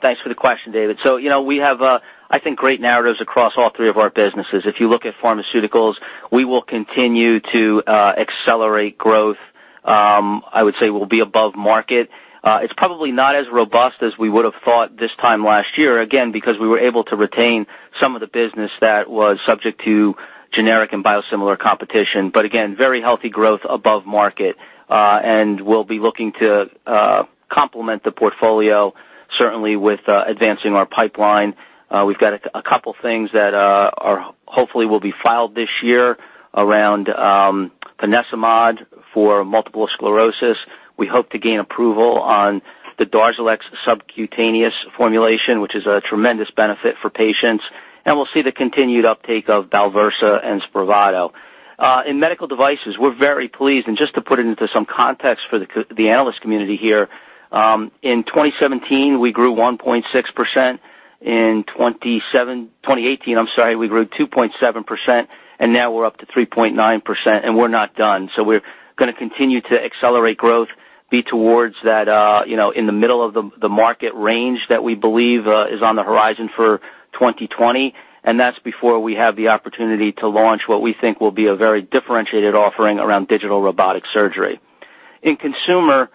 Thanks for the question, David. We have, I think, great narratives across all three of our businesses. If you look at pharmaceuticals, we will continue to accelerate growth. I would say we'll be above market. It's probably not as robust as we would've thought this time last year, again, because we were able to retain some of the business that was subject to generic and biosimilar competition, but again, very healthy growth above market. We'll be looking to complement the portfolio, certainly with advancing our pipeline. We've got a couple things that hopefully will be filed this year around ponesimod for multiple sclerosis. We hope to gain approval on the DARZALEX subcutaneous formulation, which is a tremendous benefit for patients, and we'll see the continued uptake of BALVERSA and SPRAVATO. In Medical Devices, we're very pleased, and just to put it into some context for the analyst community here, in 2017, we grew 1.6%. In 2018, we grew 2.7%, and now we're up to 3.9%, and we're not done. We're going to continue to accelerate growth, be towards that in the middle of the market range that we believe is on the horizon for 2020, and that's before we have the opportunity to launch what we think will be a very differentiated offering around digital robotic surgery. In Consumer,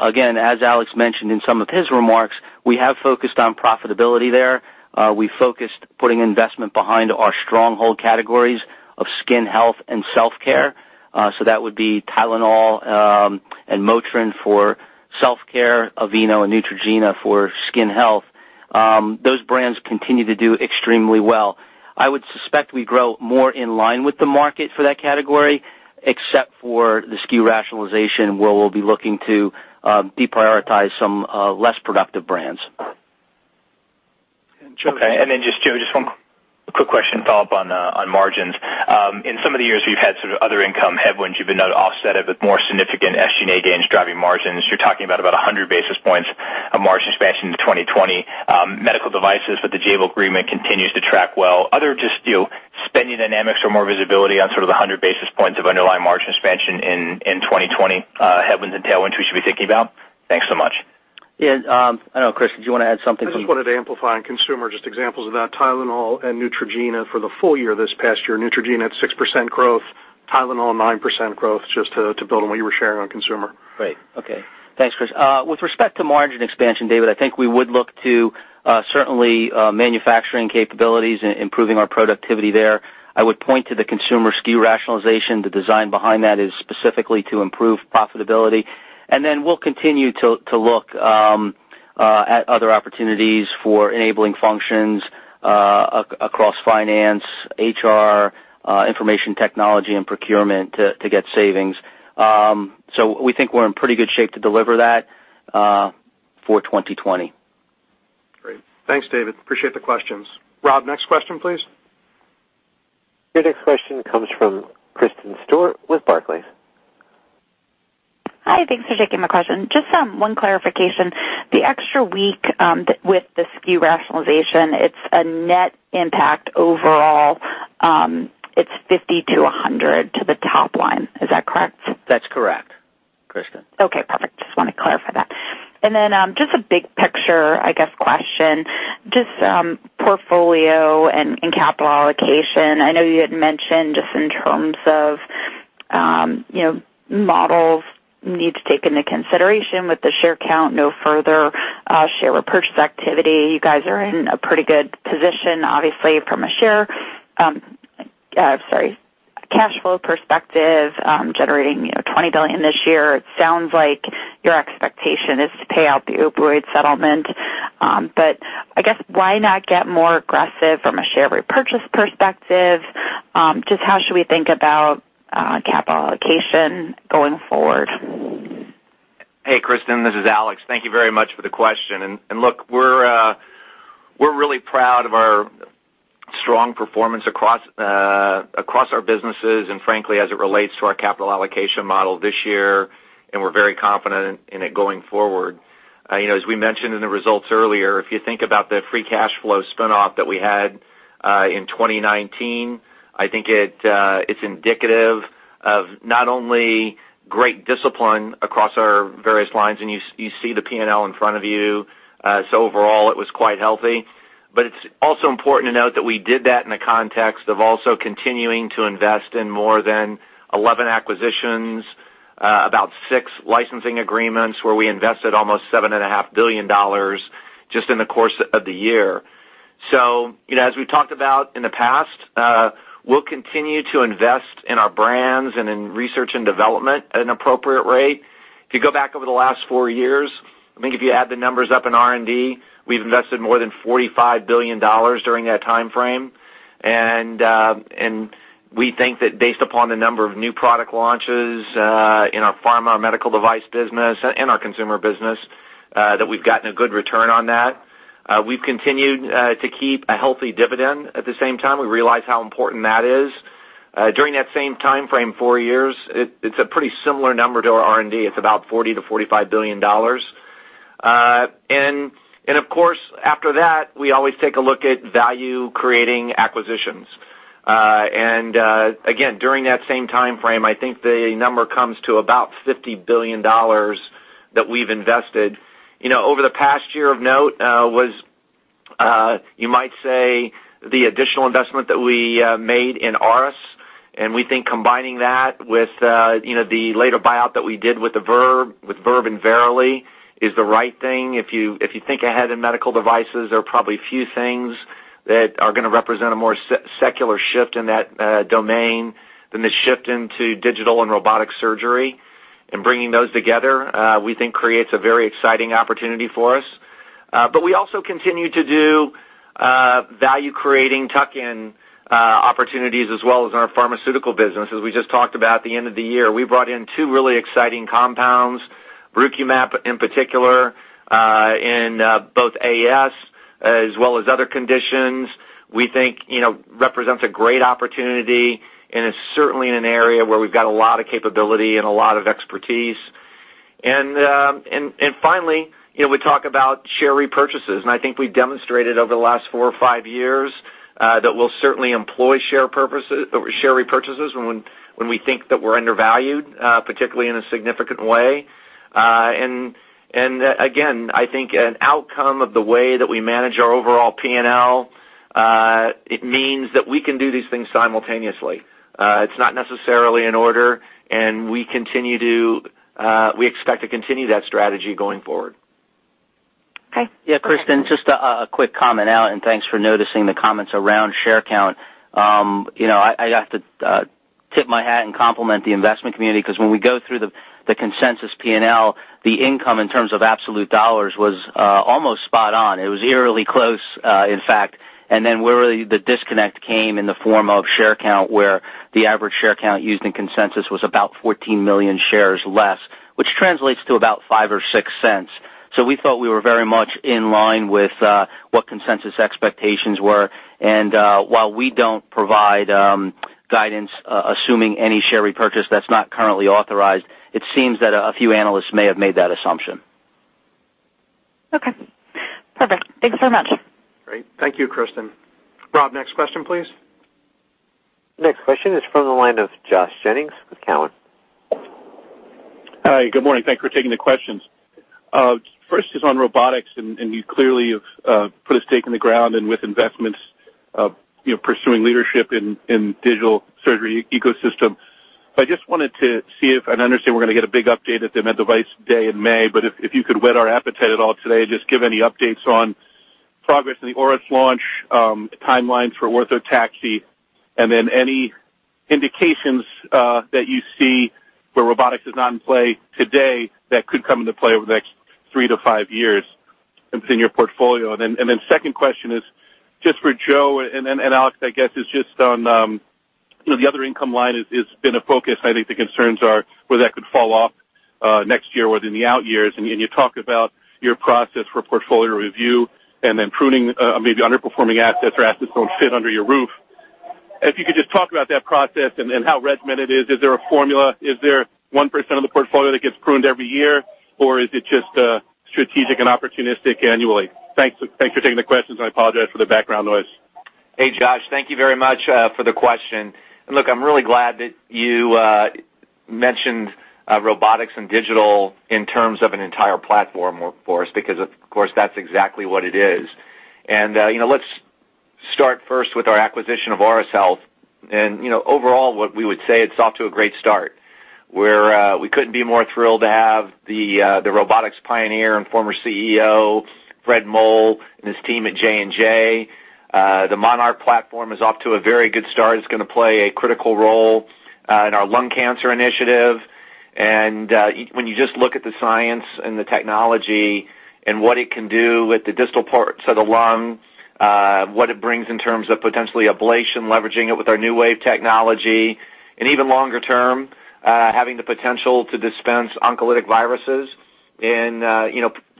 again, as Alex mentioned in some of his remarks, we have focused on profitability there. We focused putting investment behind our stronghold categories of skin health and self-care. That would be TYLENOL and Motrin for self-care, Aveeno and Neutrogena for skin health. Those brands continue to do extremely well. I would suspect we grow more in line with the market for that category, except for the SKU rationalization, where we'll be looking to deprioritize some less productive brands. Okay, just Joe, just one quick question to follow up on margins. In some of the years, you've had sort of other income headwinds, you've been able to offset it with more significant SG&A gains driving margins. You're talking about 100 basis points of margin expansion into 2020. Medical Devices with the Jabil agreement continues to track well. Other just spending dynamics or more visibility on sort of the 100 basis points of underlying margin expansion in 2020 headwinds and tailwinds we should be thinking about? Thanks so much. Yeah. I don't know, Chris, did you want to add something to? I just wanted to amplify on consumer, just examples of that, TYLENOL and Neutrogena for the full year this past year, Neutrogena had 6% growth, TYLENOL 9% growth, just to build on what you were sharing on consumer. Great. Okay. Thanks, Chris. With respect to margin expansion, David, I think we would look to certainly manufacturing capabilities, improving our productivity there. I would point to the consumer SKU rationalization. The design behind that is specifically to improve profitability. We'll continue to look at other opportunities for enabling functions across finance, HR, information technology, and procurement to get savings. We think we're in pretty good shape to deliver that for 2020. Great. Thanks, David. Appreciate the questions. Rob, next question, please. Your next question comes from Kristen Stewart with Barclays. Hi, thanks for taking my question. Just one clarification. The extra week with the SKU rationalization, it's a net impact overall. It's $50-$100 to the top line. Is that correct? That's correct, Kristen. Okay, perfect. Just want to clarify that. Then just a big picture, I guess, question. Just portfolio and capital allocation. I know you had mentioned just in terms of models need to take into consideration with the share count, no further share repurchase activity. You guys are in a pretty good position, obviously, from a cash flow perspective, generating $20 billion this year. It sounds like your expectation is to pay out the opioid settlement. I guess why not get more aggressive from a share repurchase perspective? Just how should we think about capital allocation going forward? Hey, Kristen, this is Alex. Thank you very much for the question. Look, we're really proud of our strong performance across our businesses and frankly, as it relates to our capital allocation model this year, and we're very confident in it going forward. As we mentioned in the results earlier, if you think about the free cash flow spin-off that we had in 2019, I think it's indicative of not only great discipline across our various lines, and you see the P&L in front of you, so overall it was quite healthy. It's also important to note that we did that in the context of also continuing to invest in more than 11 acquisitions, about six licensing agreements where we invested almost $7.5 billion just in the course of the year. As we've talked about in the past, we'll continue to invest in our brands and in research and development at an appropriate rate. If you go back over the last four years, I think if you add the numbers up in R&D, we've invested more than $45 billion during that timeframe. We think that based upon the number of new product launches in our pharma medical device business and our consumer business, that we've gotten a good return on that. We've continued to keep a healthy dividend at the same time. We realize how important that is. During that same timeframe, four years, it's a pretty similar number to our R&D. It's about $40 billion-$45 billion. Of course, after that, we always take a look at value-creating acquisitions. Again, during that same timeframe, I think the number comes to about $50 billion that we've invested. Over the past year of note was, you might say, the additional investment that we made in Auris, and we think combining that with the later buyout that we did with Verb and Verily is the right thing. If you think ahead in medical devices, there are probably a few things that are going to represent a more secular shift in that domain than the shift into digital and robotic surgery. Bringing those together, we think creates a very exciting opportunity for us. We also continue to do value-creating tuck-in opportunities as well as in our pharmaceutical business. As we just talked about at the end of the year, we brought in two really exciting compounds, bermekimab in particular, in both AS as well as other conditions we think represents a great opportunity, and it's certainly in an area where we've got a lot of capability and a lot of expertise. Finally, we talk about share repurchases, and I think we've demonstrated over the last four or five years that we'll certainly employ share repurchases when we think that we're undervalued, particularly in a significant way. Again, I think an outcome of the way that we manage our overall P&L, it means that we can do these things simultaneously. It's not necessarily in order, and we expect to continue that strategy going forward. Okay. Kristen, just a quick comment, and thanks for noticing the comments around share count. I'd have to tip my hat and compliment the investment community because when we go through the consensus P&L, the income in terms of absolute dollars was almost spot on. It was eerily close, in fact. Really the disconnect came in the form of share count, where the average share count used in consensus was about 14 million shares less, which translates to about $0.05 or $0.06. We thought we were very much in line with what consensus expectations were. While we don't provide guidance assuming any share repurchase that's not currently authorized, it seems that a few analysts may have made that assumption. Okay, perfect. Thanks so much. Great. Thank you, Kristen. Rob, next question, please. Next question is from the line of Josh Jennings with Cowen. Hi, good morning. Thank you for taking the questions. First is on robotics, and you clearly have put a stake in the ground and with investments, pursuing leadership in digital surgery ecosystem. I just wanted to see if, and I understand we're going to get a big update at the Med Device Day in May, but if you could whet our appetite at all today, just give any updates on progress in the Auris launch, timelines for Orthotaxy, and then any indications that you see where robotics is not in play today that could come into play over the next three to five years within your portfolio. Second question is just for Joe and Alex, I guess, is just on the other income line has been a focus. I think the concerns are where that could fall off next year or in the out years. You talk about your process for portfolio review and then pruning maybe underperforming assets or assets don't fit under your roof. If you could just talk about that process and how regimented it is. Is there a formula? Is there 1% of the portfolio that gets pruned every year, or is it just strategic and opportunistic annually? Thanks for taking the questions, and I apologize for the background noise. Hey, Josh. Thank you very much for the question. Look, I'm really glad that you mentioned robotics and digital in terms of an entire platform for us because, of course, that's exactly what it is. Let's start first with our acquisition of Auris Health. Overall, what we would say, it's off to a great start, where we couldn't be more thrilled to have the robotics pioneer and former CEO, Fred Moll, and his team at J&J. The MONARCH platform is off to a very good start. It's going to play a critical role in our lung cancer initiative. When you just look at the science and the technology and what it can do with the distal parts of the lung, what it brings in terms of potentially ablation, leveraging it with our NeuWave technology, and even longer term, having the potential to dispense oncolytic viruses in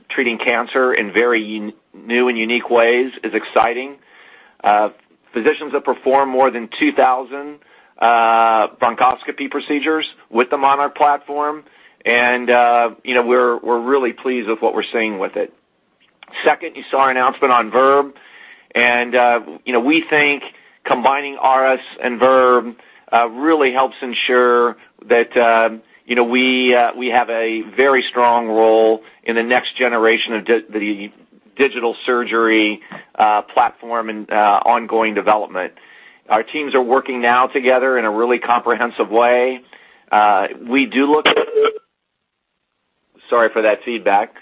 treating cancer in very new and unique ways is exciting. Physicians have performed more than 2,000 bronchoscopy procedures with the MONARCH platform, and we're really pleased with what we're seeing with it. Second, you saw our announcement on Verb, and we think combining Auris and Verb really helps ensure that we have a very strong role in the next generation of the digital surgery platform and ongoing development. Our teams are working now together in a really comprehensive way. Sorry for that feedback.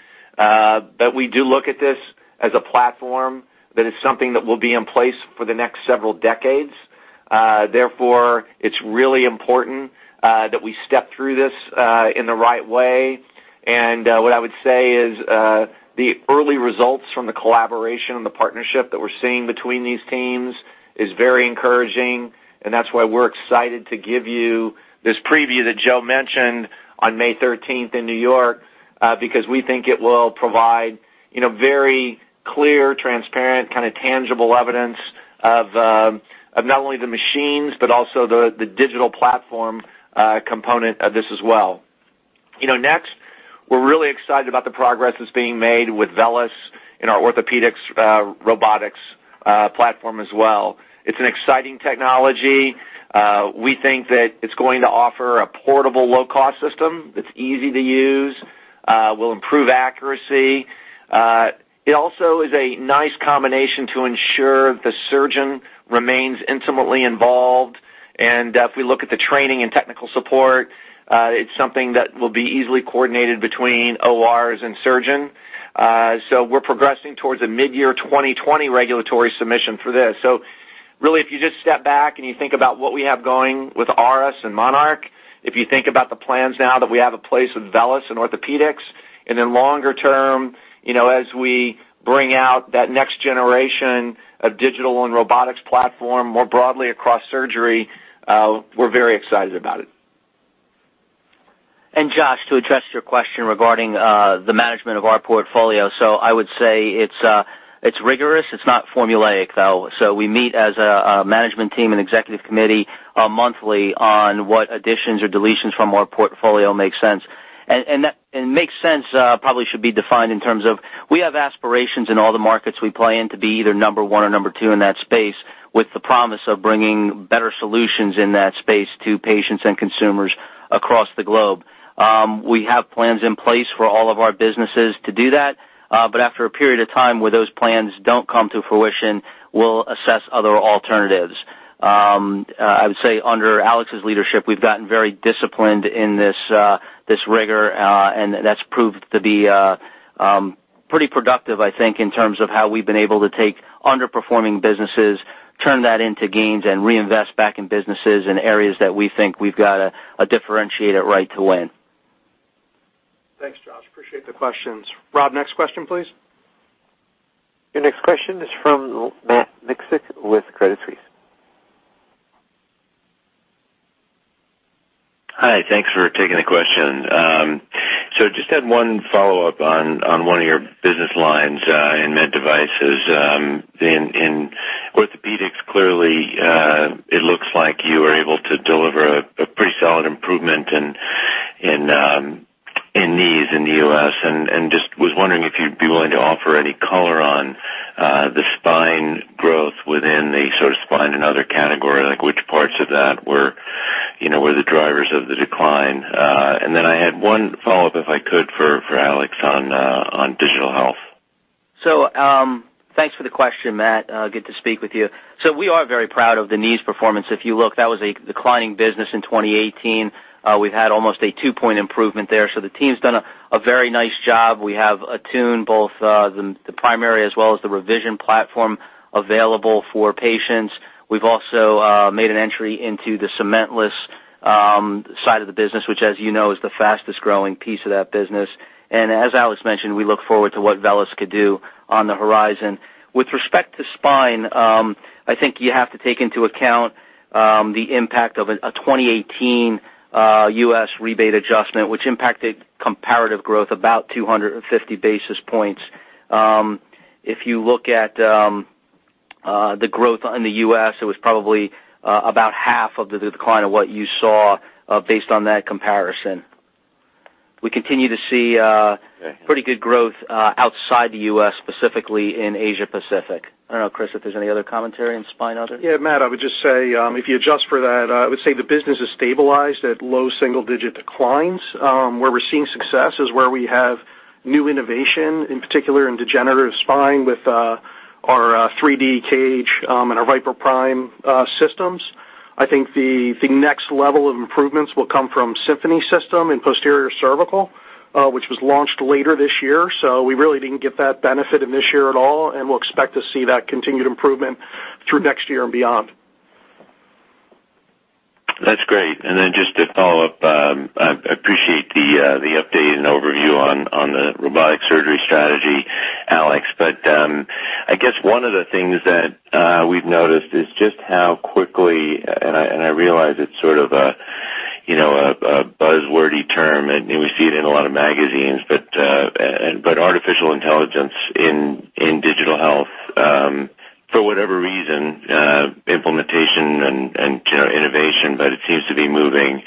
We do look at this as a platform that is something that will be in place for the next several decades. It's really important that we step through this in the right way. What I would say is, the early results from the collaboration and the partnership that we're seeing between these teams is very encouraging, and that's why we're excited to give you this preview that Joe mentioned on May 13th in New York, because we think it will provide very clear, transparent, kind of tangible evidence of not only the machines, but also the digital platform component of this as well. We're really excited about the progress that's being made with VELYS in our orthopedics robotics platform as well. It's an exciting technology. We think that it's going to offer a portable, low-cost system that's easy to use, will improve accuracy. It also is a nice combination to ensure the surgeon remains intimately involved. If we look at the training and technical support, it's something that will be easily coordinated between ORs and surgeon. We're progressing towards a mid-year 2020 regulatory submission for this. Really, if you just step back and you think about what we have going with Auris and MONARCH, if you think about the plans now that we have a place with VELYS in orthopedics, then longer term, as we bring out that next generation of digital and robotics platform more broadly across surgery, we're very excited about it. Josh, to address your question regarding the management of our portfolio. I would say it's rigorous. It's not formulaic, though. We meet as a management team and executive committee monthly on what additions or deletions from our portfolio make sense. Makes sense probably should be defined in terms of we have aspirations in all the markets we play in to be either number one or number two in that space with the promise of bringing better solutions in that space to patients and consumers across the globe. We have plans in place for all of our businesses to do that. After a period of time where those plans don't come to fruition, we'll assess other alternatives. I would say under Alex's leadership, we've gotten very disciplined in this rigor, and that's proved to be pretty productive, I think, in terms of how we've been able to take underperforming businesses, turn that into gains, and reinvest back in businesses in areas that we think we've got a differentiator right to win. Thanks, Josh. Appreciate the questions. Rob, next question, please. Your next question is from Matt Micsik with Credit Suisse. Hi. Thanks for taking the question. Just had one follow-up on one of your business lines in med devices. In orthopedics, clearly, it looks like you are able to deliver a pretty solid improvement in knees in the U.S., and just was wondering if you'd be willing to offer any color on the spine growth within the sort of spine and other category, like which parts of that were the drivers of the decline. I had one follow-up, if I could, for Alex on digital health. Thanks for the question, Matt. Good to speak with you. We are very proud of the knee's performance. If you look, that was a declining business in 2018. We've had almost a 2-point improvement there. The team's done a very nice job. We have ATTUNE both the primary as well as the revision platform available for patients. We've also made an entry into the cementless side of the business, which, as you know, is the fastest-growing piece of that business. As Alex mentioned, we look forward to what VELYS could do on the horizon. With respect to spine, I think you have to take into account the impact of a 2018 U.S. rebate adjustment, which impacted comparative growth about 250 basis points. If you look at the growth in the U.S., it was probably about half of the decline of what you saw based on that comparison. We continue to see pretty good growth outside the U.S., specifically in Asia Pacific. I don't know, Chris, if there's any other commentary in spine, other? Yeah, Matt, I would just say, if you adjust for that, I would say the business is stabilized at low single-digit declines. Where we're seeing success is where we have new innovation, in particular in degenerative spine with our 3D cage and our VIPER PRIME systems. I think the next level of improvements will come from SYMPHONY System in posterior cervical, which was launched later this year. We really didn't get that benefit in this year at all, and we'll expect to see that continued improvement through next year and beyond. That's great. Just to follow up, I appreciate the update and overview on the robotic surgery strategy, Alex. I guess one of the things that we've noticed is just how quickly, and I realize it's sort of a buzzwordy term, and we see it in a lot of magazines, artificial intelligence in digital health, for whatever reason, implementation and innovation, it seems to be moving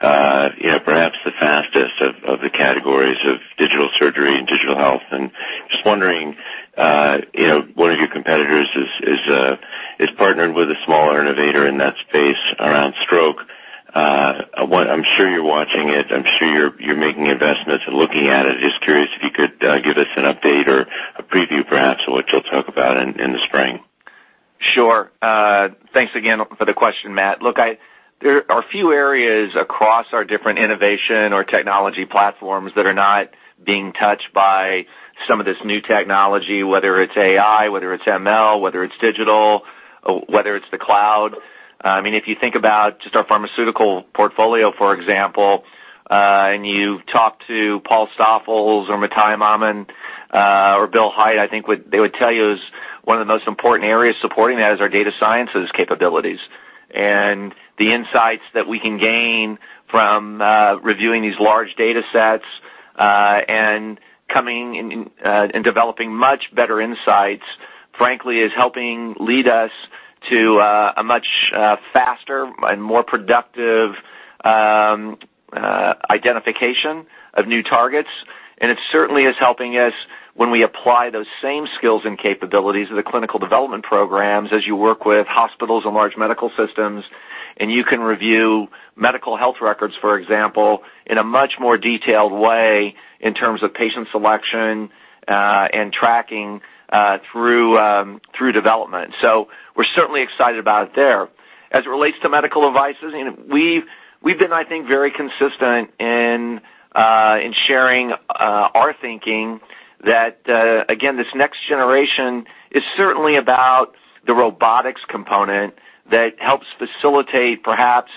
perhaps the fastest of the categories of digital surgery and digital health. Just wondering, one of your competitors is partnered with a smaller innovator in that space around stroke. I'm sure you're watching it. I'm sure you're making investments and looking at it. Just curious if you could give us an update or a preview perhaps of what you'll talk about in the spring. Thanks again for the question, Matt. There are few areas across our different innovation or technology platforms that are not being touched by some of this new technology, whether it's AI, whether it's ML, whether it's digital, whether it's the cloud. If you think about just our pharmaceutical portfolio, for example, you talk to Paul Stoffels or Mathai Mammen or Bill Hait, I think they would tell you is one of the most important areas supporting that is our data sciences capabilities. The insights that we can gain from reviewing these large data sets and coming and developing much better insights, frankly, is helping lead us to a much faster and more productive identification of new targets. It certainly is helping us when we apply those same skills and capabilities to the clinical development programs as you work with hospitals and large medical systems, and you can review medical health records, for example, in a much more detailed way in terms of patient selection and tracking through development. We're certainly excited about it there. As it relates to medical devices, we've been, I think, very consistent in sharing our thinking that, again this next generation is certainly about the robotics component that helps facilitate perhaps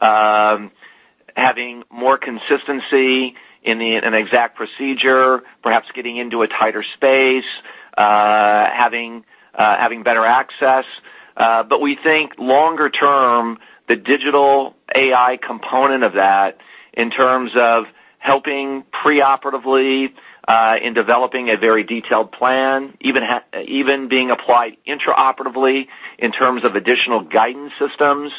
having more consistency in an exact procedure, perhaps getting into a tighter space having better access. We think longer term, the digital AI component of that in terms of helping preoperatively in developing a very detailed plan, even being applied intraoperatively in terms of additional guidance systems.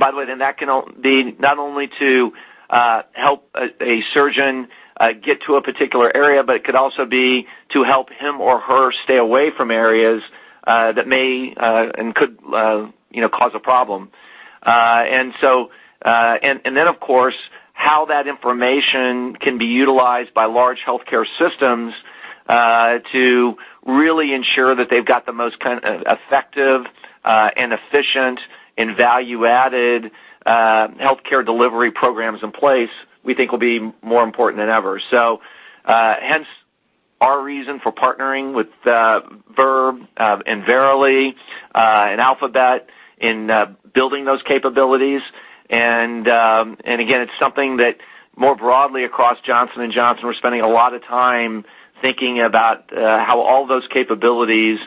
By the way, then that can be not only to help a surgeon get to a particular area, but it could also be to help him or her stay away from areas that may and could cause a problem. Then of course, how that information can be utilized by large healthcare systems to really ensure that they've got the most effective and efficient and value-added healthcare delivery programs in place, we think will be more important than ever. Hence our reason for partnering with Verb and Verily and Alphabet in building those capabilities. Again, it's something that more broadly across Johnson & Johnson, we're spending a lot of time thinking about how all those capabilities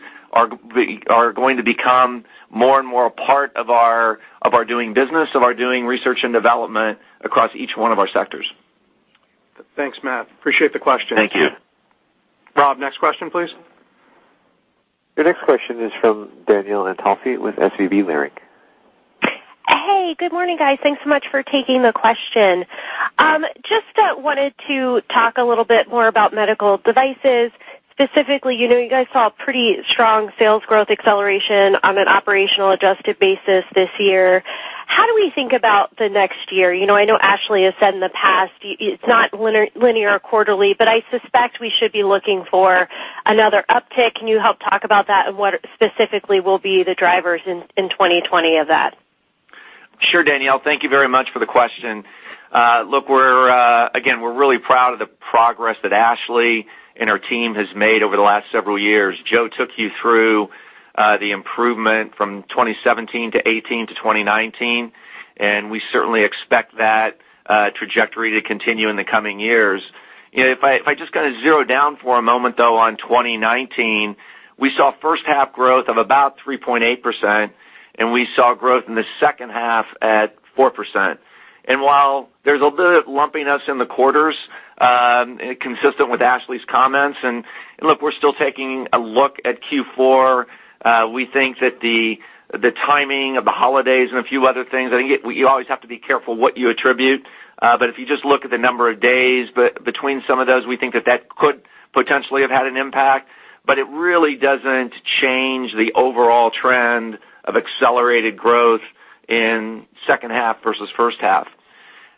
are going to become more and more a part of our doing business, of our doing research and development across each one of our sectors. Thanks, Matt. Appreciate the question. Thank you. Rob, next question, please. Your next question is from Danielle Antalffy with SVB Leerink. Hey, good morning, guys. Thanks so much for taking the question. Just wanted to talk a little bit more about medical devices. Specifically, you guys saw a pretty strong sales growth acceleration on an operational adjusted basis this year. How do we think about the next year? I know Ashley has said in the past, it's not linear quarterly, I suspect we should be looking for another uptick. Can you help talk about that and what specifically will be the drivers in 2020 of that? Sure, Danielle. Thank you very much for the question. Look, again, we're really proud of the progress that Ashley and her team has made over the last several years. Joe took you through the improvement from 2017 to 2018 to 2019. We certainly expect that trajectory to continue in the coming years. If I just kind of zero down for a moment, though, on 2019, we saw first half growth of about 3.8%. We saw growth in the second half at 4%. While there's a bit of lumpiness in the quarters, consistent with Ashley's comments, and look, we're still taking a look at Q4, we think that the timing of the holidays and a few other things, I think you always have to be careful what you attribute. If you just look at the number of days between some of those, we think that that could potentially have had an impact. It really doesn't change the overall trend of accelerated growth in second half versus first half.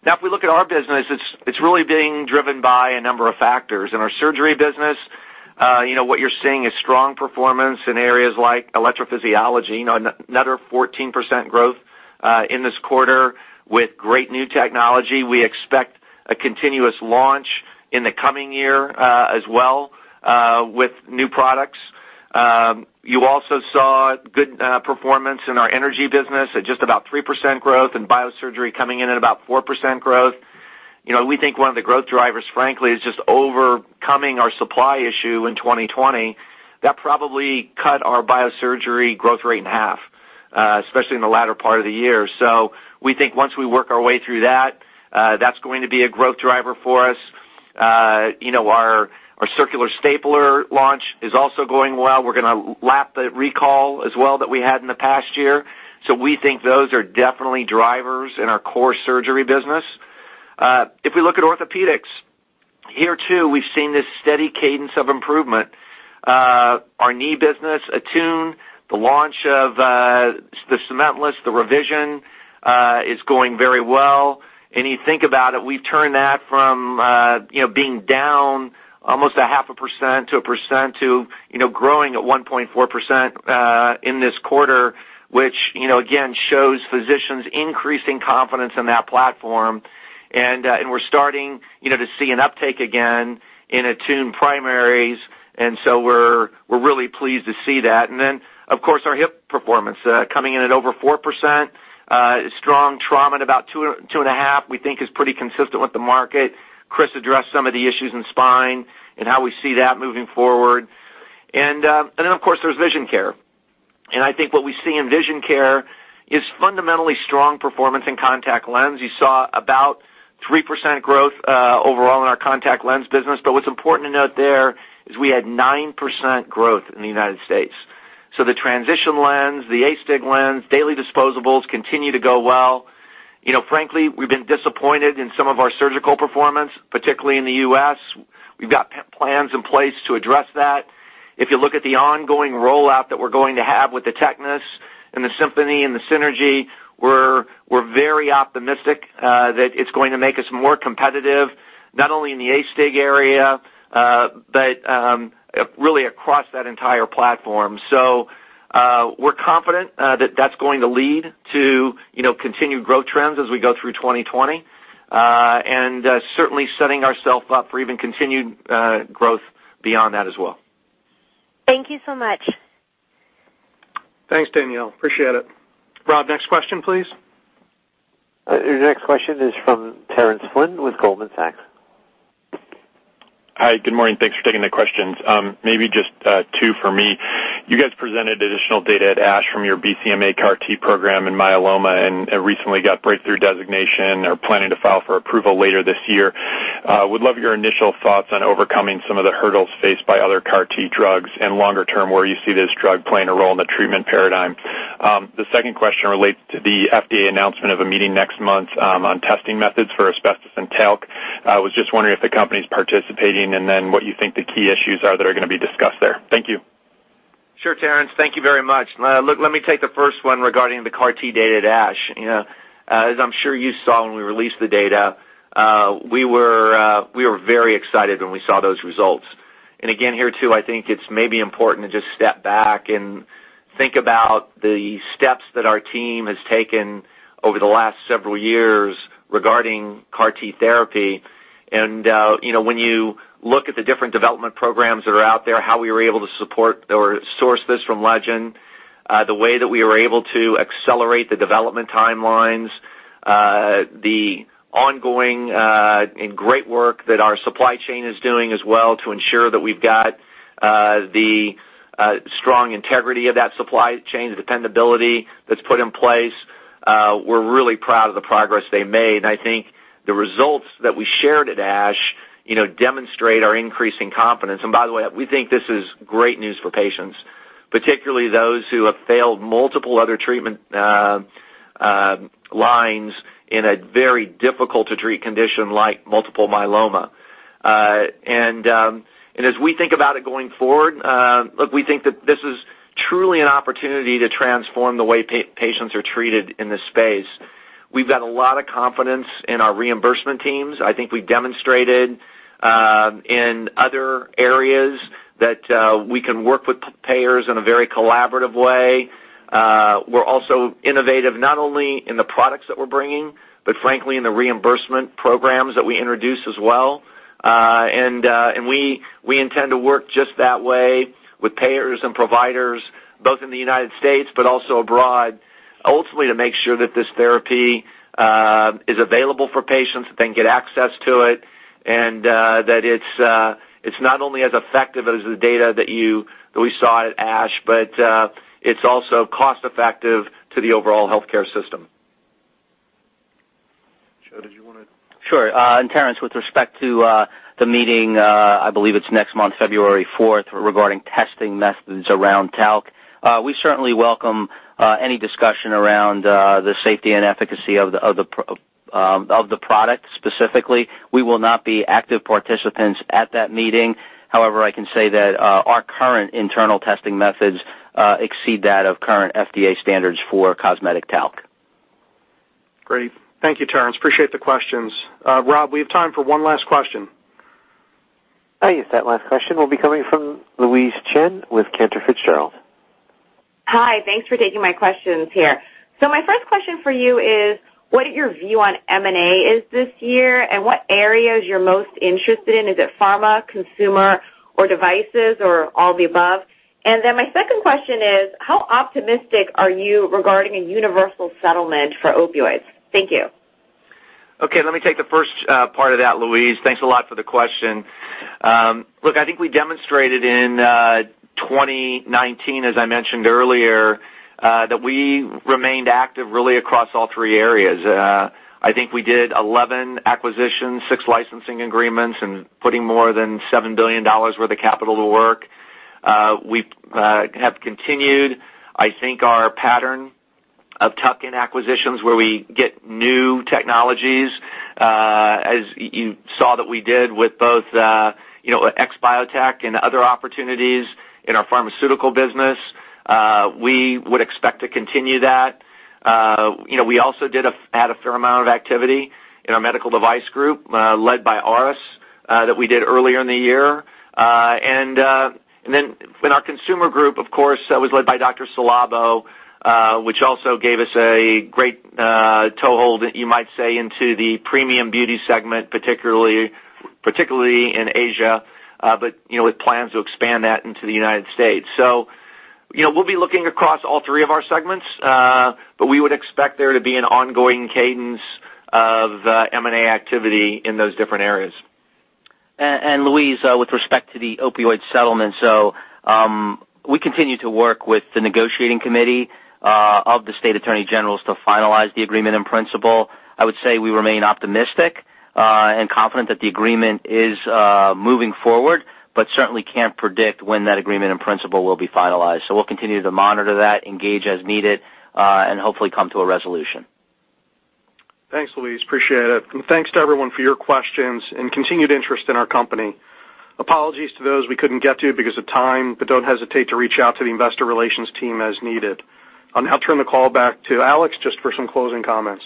If we look at our business, it's really being driven by a number of factors. In our surgery business, what you're seeing is strong performance in areas like electrophysiology. Another 14% growth in this quarter with great new technology. We expect a continuous launch in the coming year as well with new products. You also saw good performance in our energy business at just about 3% growth and biosurgery coming in at about 4% growth. We think one of the growth drivers, frankly, is just overcoming our supply issue in 2020. That probably cut our biosurgery growth rate in half, especially in the latter part of the year. We think once we work our way through that's going to be a growth driver for us. Our circular stapler launch is also going well. We're going to lap the recall as well that we had in the past year. We think those are definitely drivers in our core surgery business. If we look at orthopedics, here too, we've seen this steady cadence of improvement. Our knee business, ATTUNE, the launch of the cementless, the revision, is going very well. You think about it, we've turned that from being down almost a half a percent to 1% to growing at 1.4% in this quarter, which again shows physicians increasing confidence in that platform. We're starting to see an uptake again in ATTUNE primaries, we're really pleased to see that. Then, of course, our hip performance coming in at over 4%, strong trauma at about 2.5%, we think is pretty consistent with the market. Chris addressed some of the issues in spine and how we see that moving forward. Then, of course, there's vision care. I think what we see in vision care is fundamentally strong performance in contact lens. You saw about 3% growth overall in our contact lens business. What's important to note there is we had 9% growth in the U.S. The transition lens, the astig lens, daily disposables continue to go well. Frankly, we've been disappointed in some of our surgical performance, particularly in the U.S. We've got plans in place to address that. If you look at the ongoing rollout that we're going to have with the TECNIS and the Symphony and the Synergy, we're very optimistic that it's going to make us more competitive, not only in the astig area, but really across that entire platform. We're confident that that's going to lead to continued growth trends as we go through 2020. Certainly setting ourself up for even continued growth beyond that as well. Thank you so much. Thanks, Danielle. Appreciate it. Rob, next question, please. Your next question is from Terence Flynn with Goldman Sachs. Hi, good morning. Thanks for taking the questions. Maybe just two for me. You guys presented additional data at ASH from your BCMA CAR T program in myeloma and recently got Breakthrough Designation or planning to file for approval later this year. Would love your initial thoughts on overcoming some of the hurdles faced by other CAR T drugs and longer term, where you see this drug playing a role in the treatment paradigm. The second question relates to the FDA announcement of a meeting next month on testing methods for asbestos and talc. I was just wondering if the company's participating and then what you think the key issues are that are going to be discussed there. Thank you. Sure, Terence. Thank you very much. Let me take the first one regarding the CAR T data at ASH. As I'm sure you saw when we released the data, we were very excited when we saw those results. Again, here too, I think it's maybe important to just step back and think about the steps that our team has taken over the last several years regarding CAR T therapy. When you look at the different development programs that are out there, how we were able to support or source this from Legend, the way that we were able to accelerate the development timelines, the ongoing and great work that our supply chain is doing as well to ensure that we've got the strong integrity of that supply chain, the dependability that's put in place. We're really proud of the progress they made, and I think the results that we shared at ASH demonstrate our increasing confidence. By the way, we think this is great news for patients, particularly those who have failed multiple other treatment lines in a very difficult to treat condition like multiple myeloma. As we think about it going forward, look, we think that this is truly an opportunity to transform the way patients are treated in this space. We've got a lot of confidence in our reimbursement teams. I think we demonstrated in other areas that we can work with payers in a very collaborative way. We're also innovative, not only in the products that we're bringing, but frankly, in the reimbursement programs that we introduce as well. We intend to work just that way with payers and providers, both in the United States but also abroad, ultimately to make sure that this therapy is available for patients, that they can get access to it, and that it's not only as effective as the data that we saw at ASH, but it's also cost-effective to the overall healthcare system. Joe, did you want to? Sure. Terence, with respect to the meeting, I believe it's next month, February 4th, regarding testing methods around talc. We certainly welcome any discussion around the safety and efficacy of the product specifically. We will not be active participants at that meeting. However, I can say that our current internal testing methods exceed that of current FDA standards for cosmetic talc. Great. Thank you, Terence. Appreciate the questions. Rob, we have time for one last question. Hi, yes, that last question will be coming from Louise Chen with Cantor Fitzgerald. Hi. Thanks for taking my questions here. My first question for you is, what your view on M&A is this year, and what areas you're most interested in. Is it pharma, consumer, or devices, or all the above? My second question is, how optimistic are you regarding a universal settlement for opioids? Thank you. Okay, let me take the first part of that, Louise. Thanks a lot for the question. I think we demonstrated in 2019, as I mentioned earlier, that we remained active really across all three areas. I think we did 11 acquisitions, six licensing agreements, and putting more than $7 billion worth of capital to work. We have continued, I think, our pattern of tuck-in acquisitions, where we get new technologies, as you saw that we did with both XBiotech and other opportunities in our pharmaceutical business. We would expect to continue that. We also had a fair amount of activity in our medical device group, led by Auris, that we did earlier in the year. In our consumer group, of course, that was led by Dr. Ci:Labo, which also gave us a great toehold, you might say, into the premium beauty segment, particularly in Asia, but with plans to expand that into the United States. We'll be looking across all three of our segments, but we would expect there to be an ongoing cadence of M&A activity in those different areas. Louise, with respect to the opioid settlement, we continue to work with the negotiating committee of the state attorney generals to finalize the agreement in principle. I would say we remain optimistic and confident that the agreement is moving forward, but certainly can't predict when that agreement in principle will be finalized. We'll continue to monitor that, engage as needed, and hopefully come to a resolution. Thanks, Louise, appreciate it. Thanks to everyone for your questions and continued interest in our company. Apologies to those we couldn't get to because of time, but don't hesitate to reach out to the investor relations team as needed. I'll now turn the call back to Alex just for some closing comments.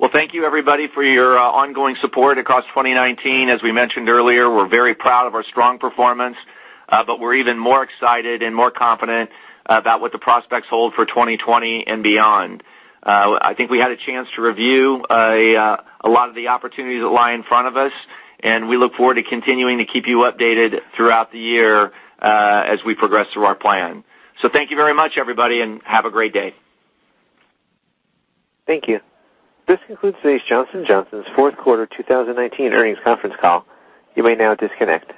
Well, thank you everybody for your ongoing support across 2019. As we mentioned earlier, we're very proud of our strong performance. We're even more excited and more confident about what the prospects hold for 2020 and beyond. I think we had a chance to review a lot of the opportunities that lie in front of us. We look forward to continuing to keep you updated throughout the year, as we progress through our plan. Thank you very much, everybody, and have a great day. Thank you. This concludes today's Johnson & Johnson's fourth quarter 2019 earnings conference call. You may now disconnect.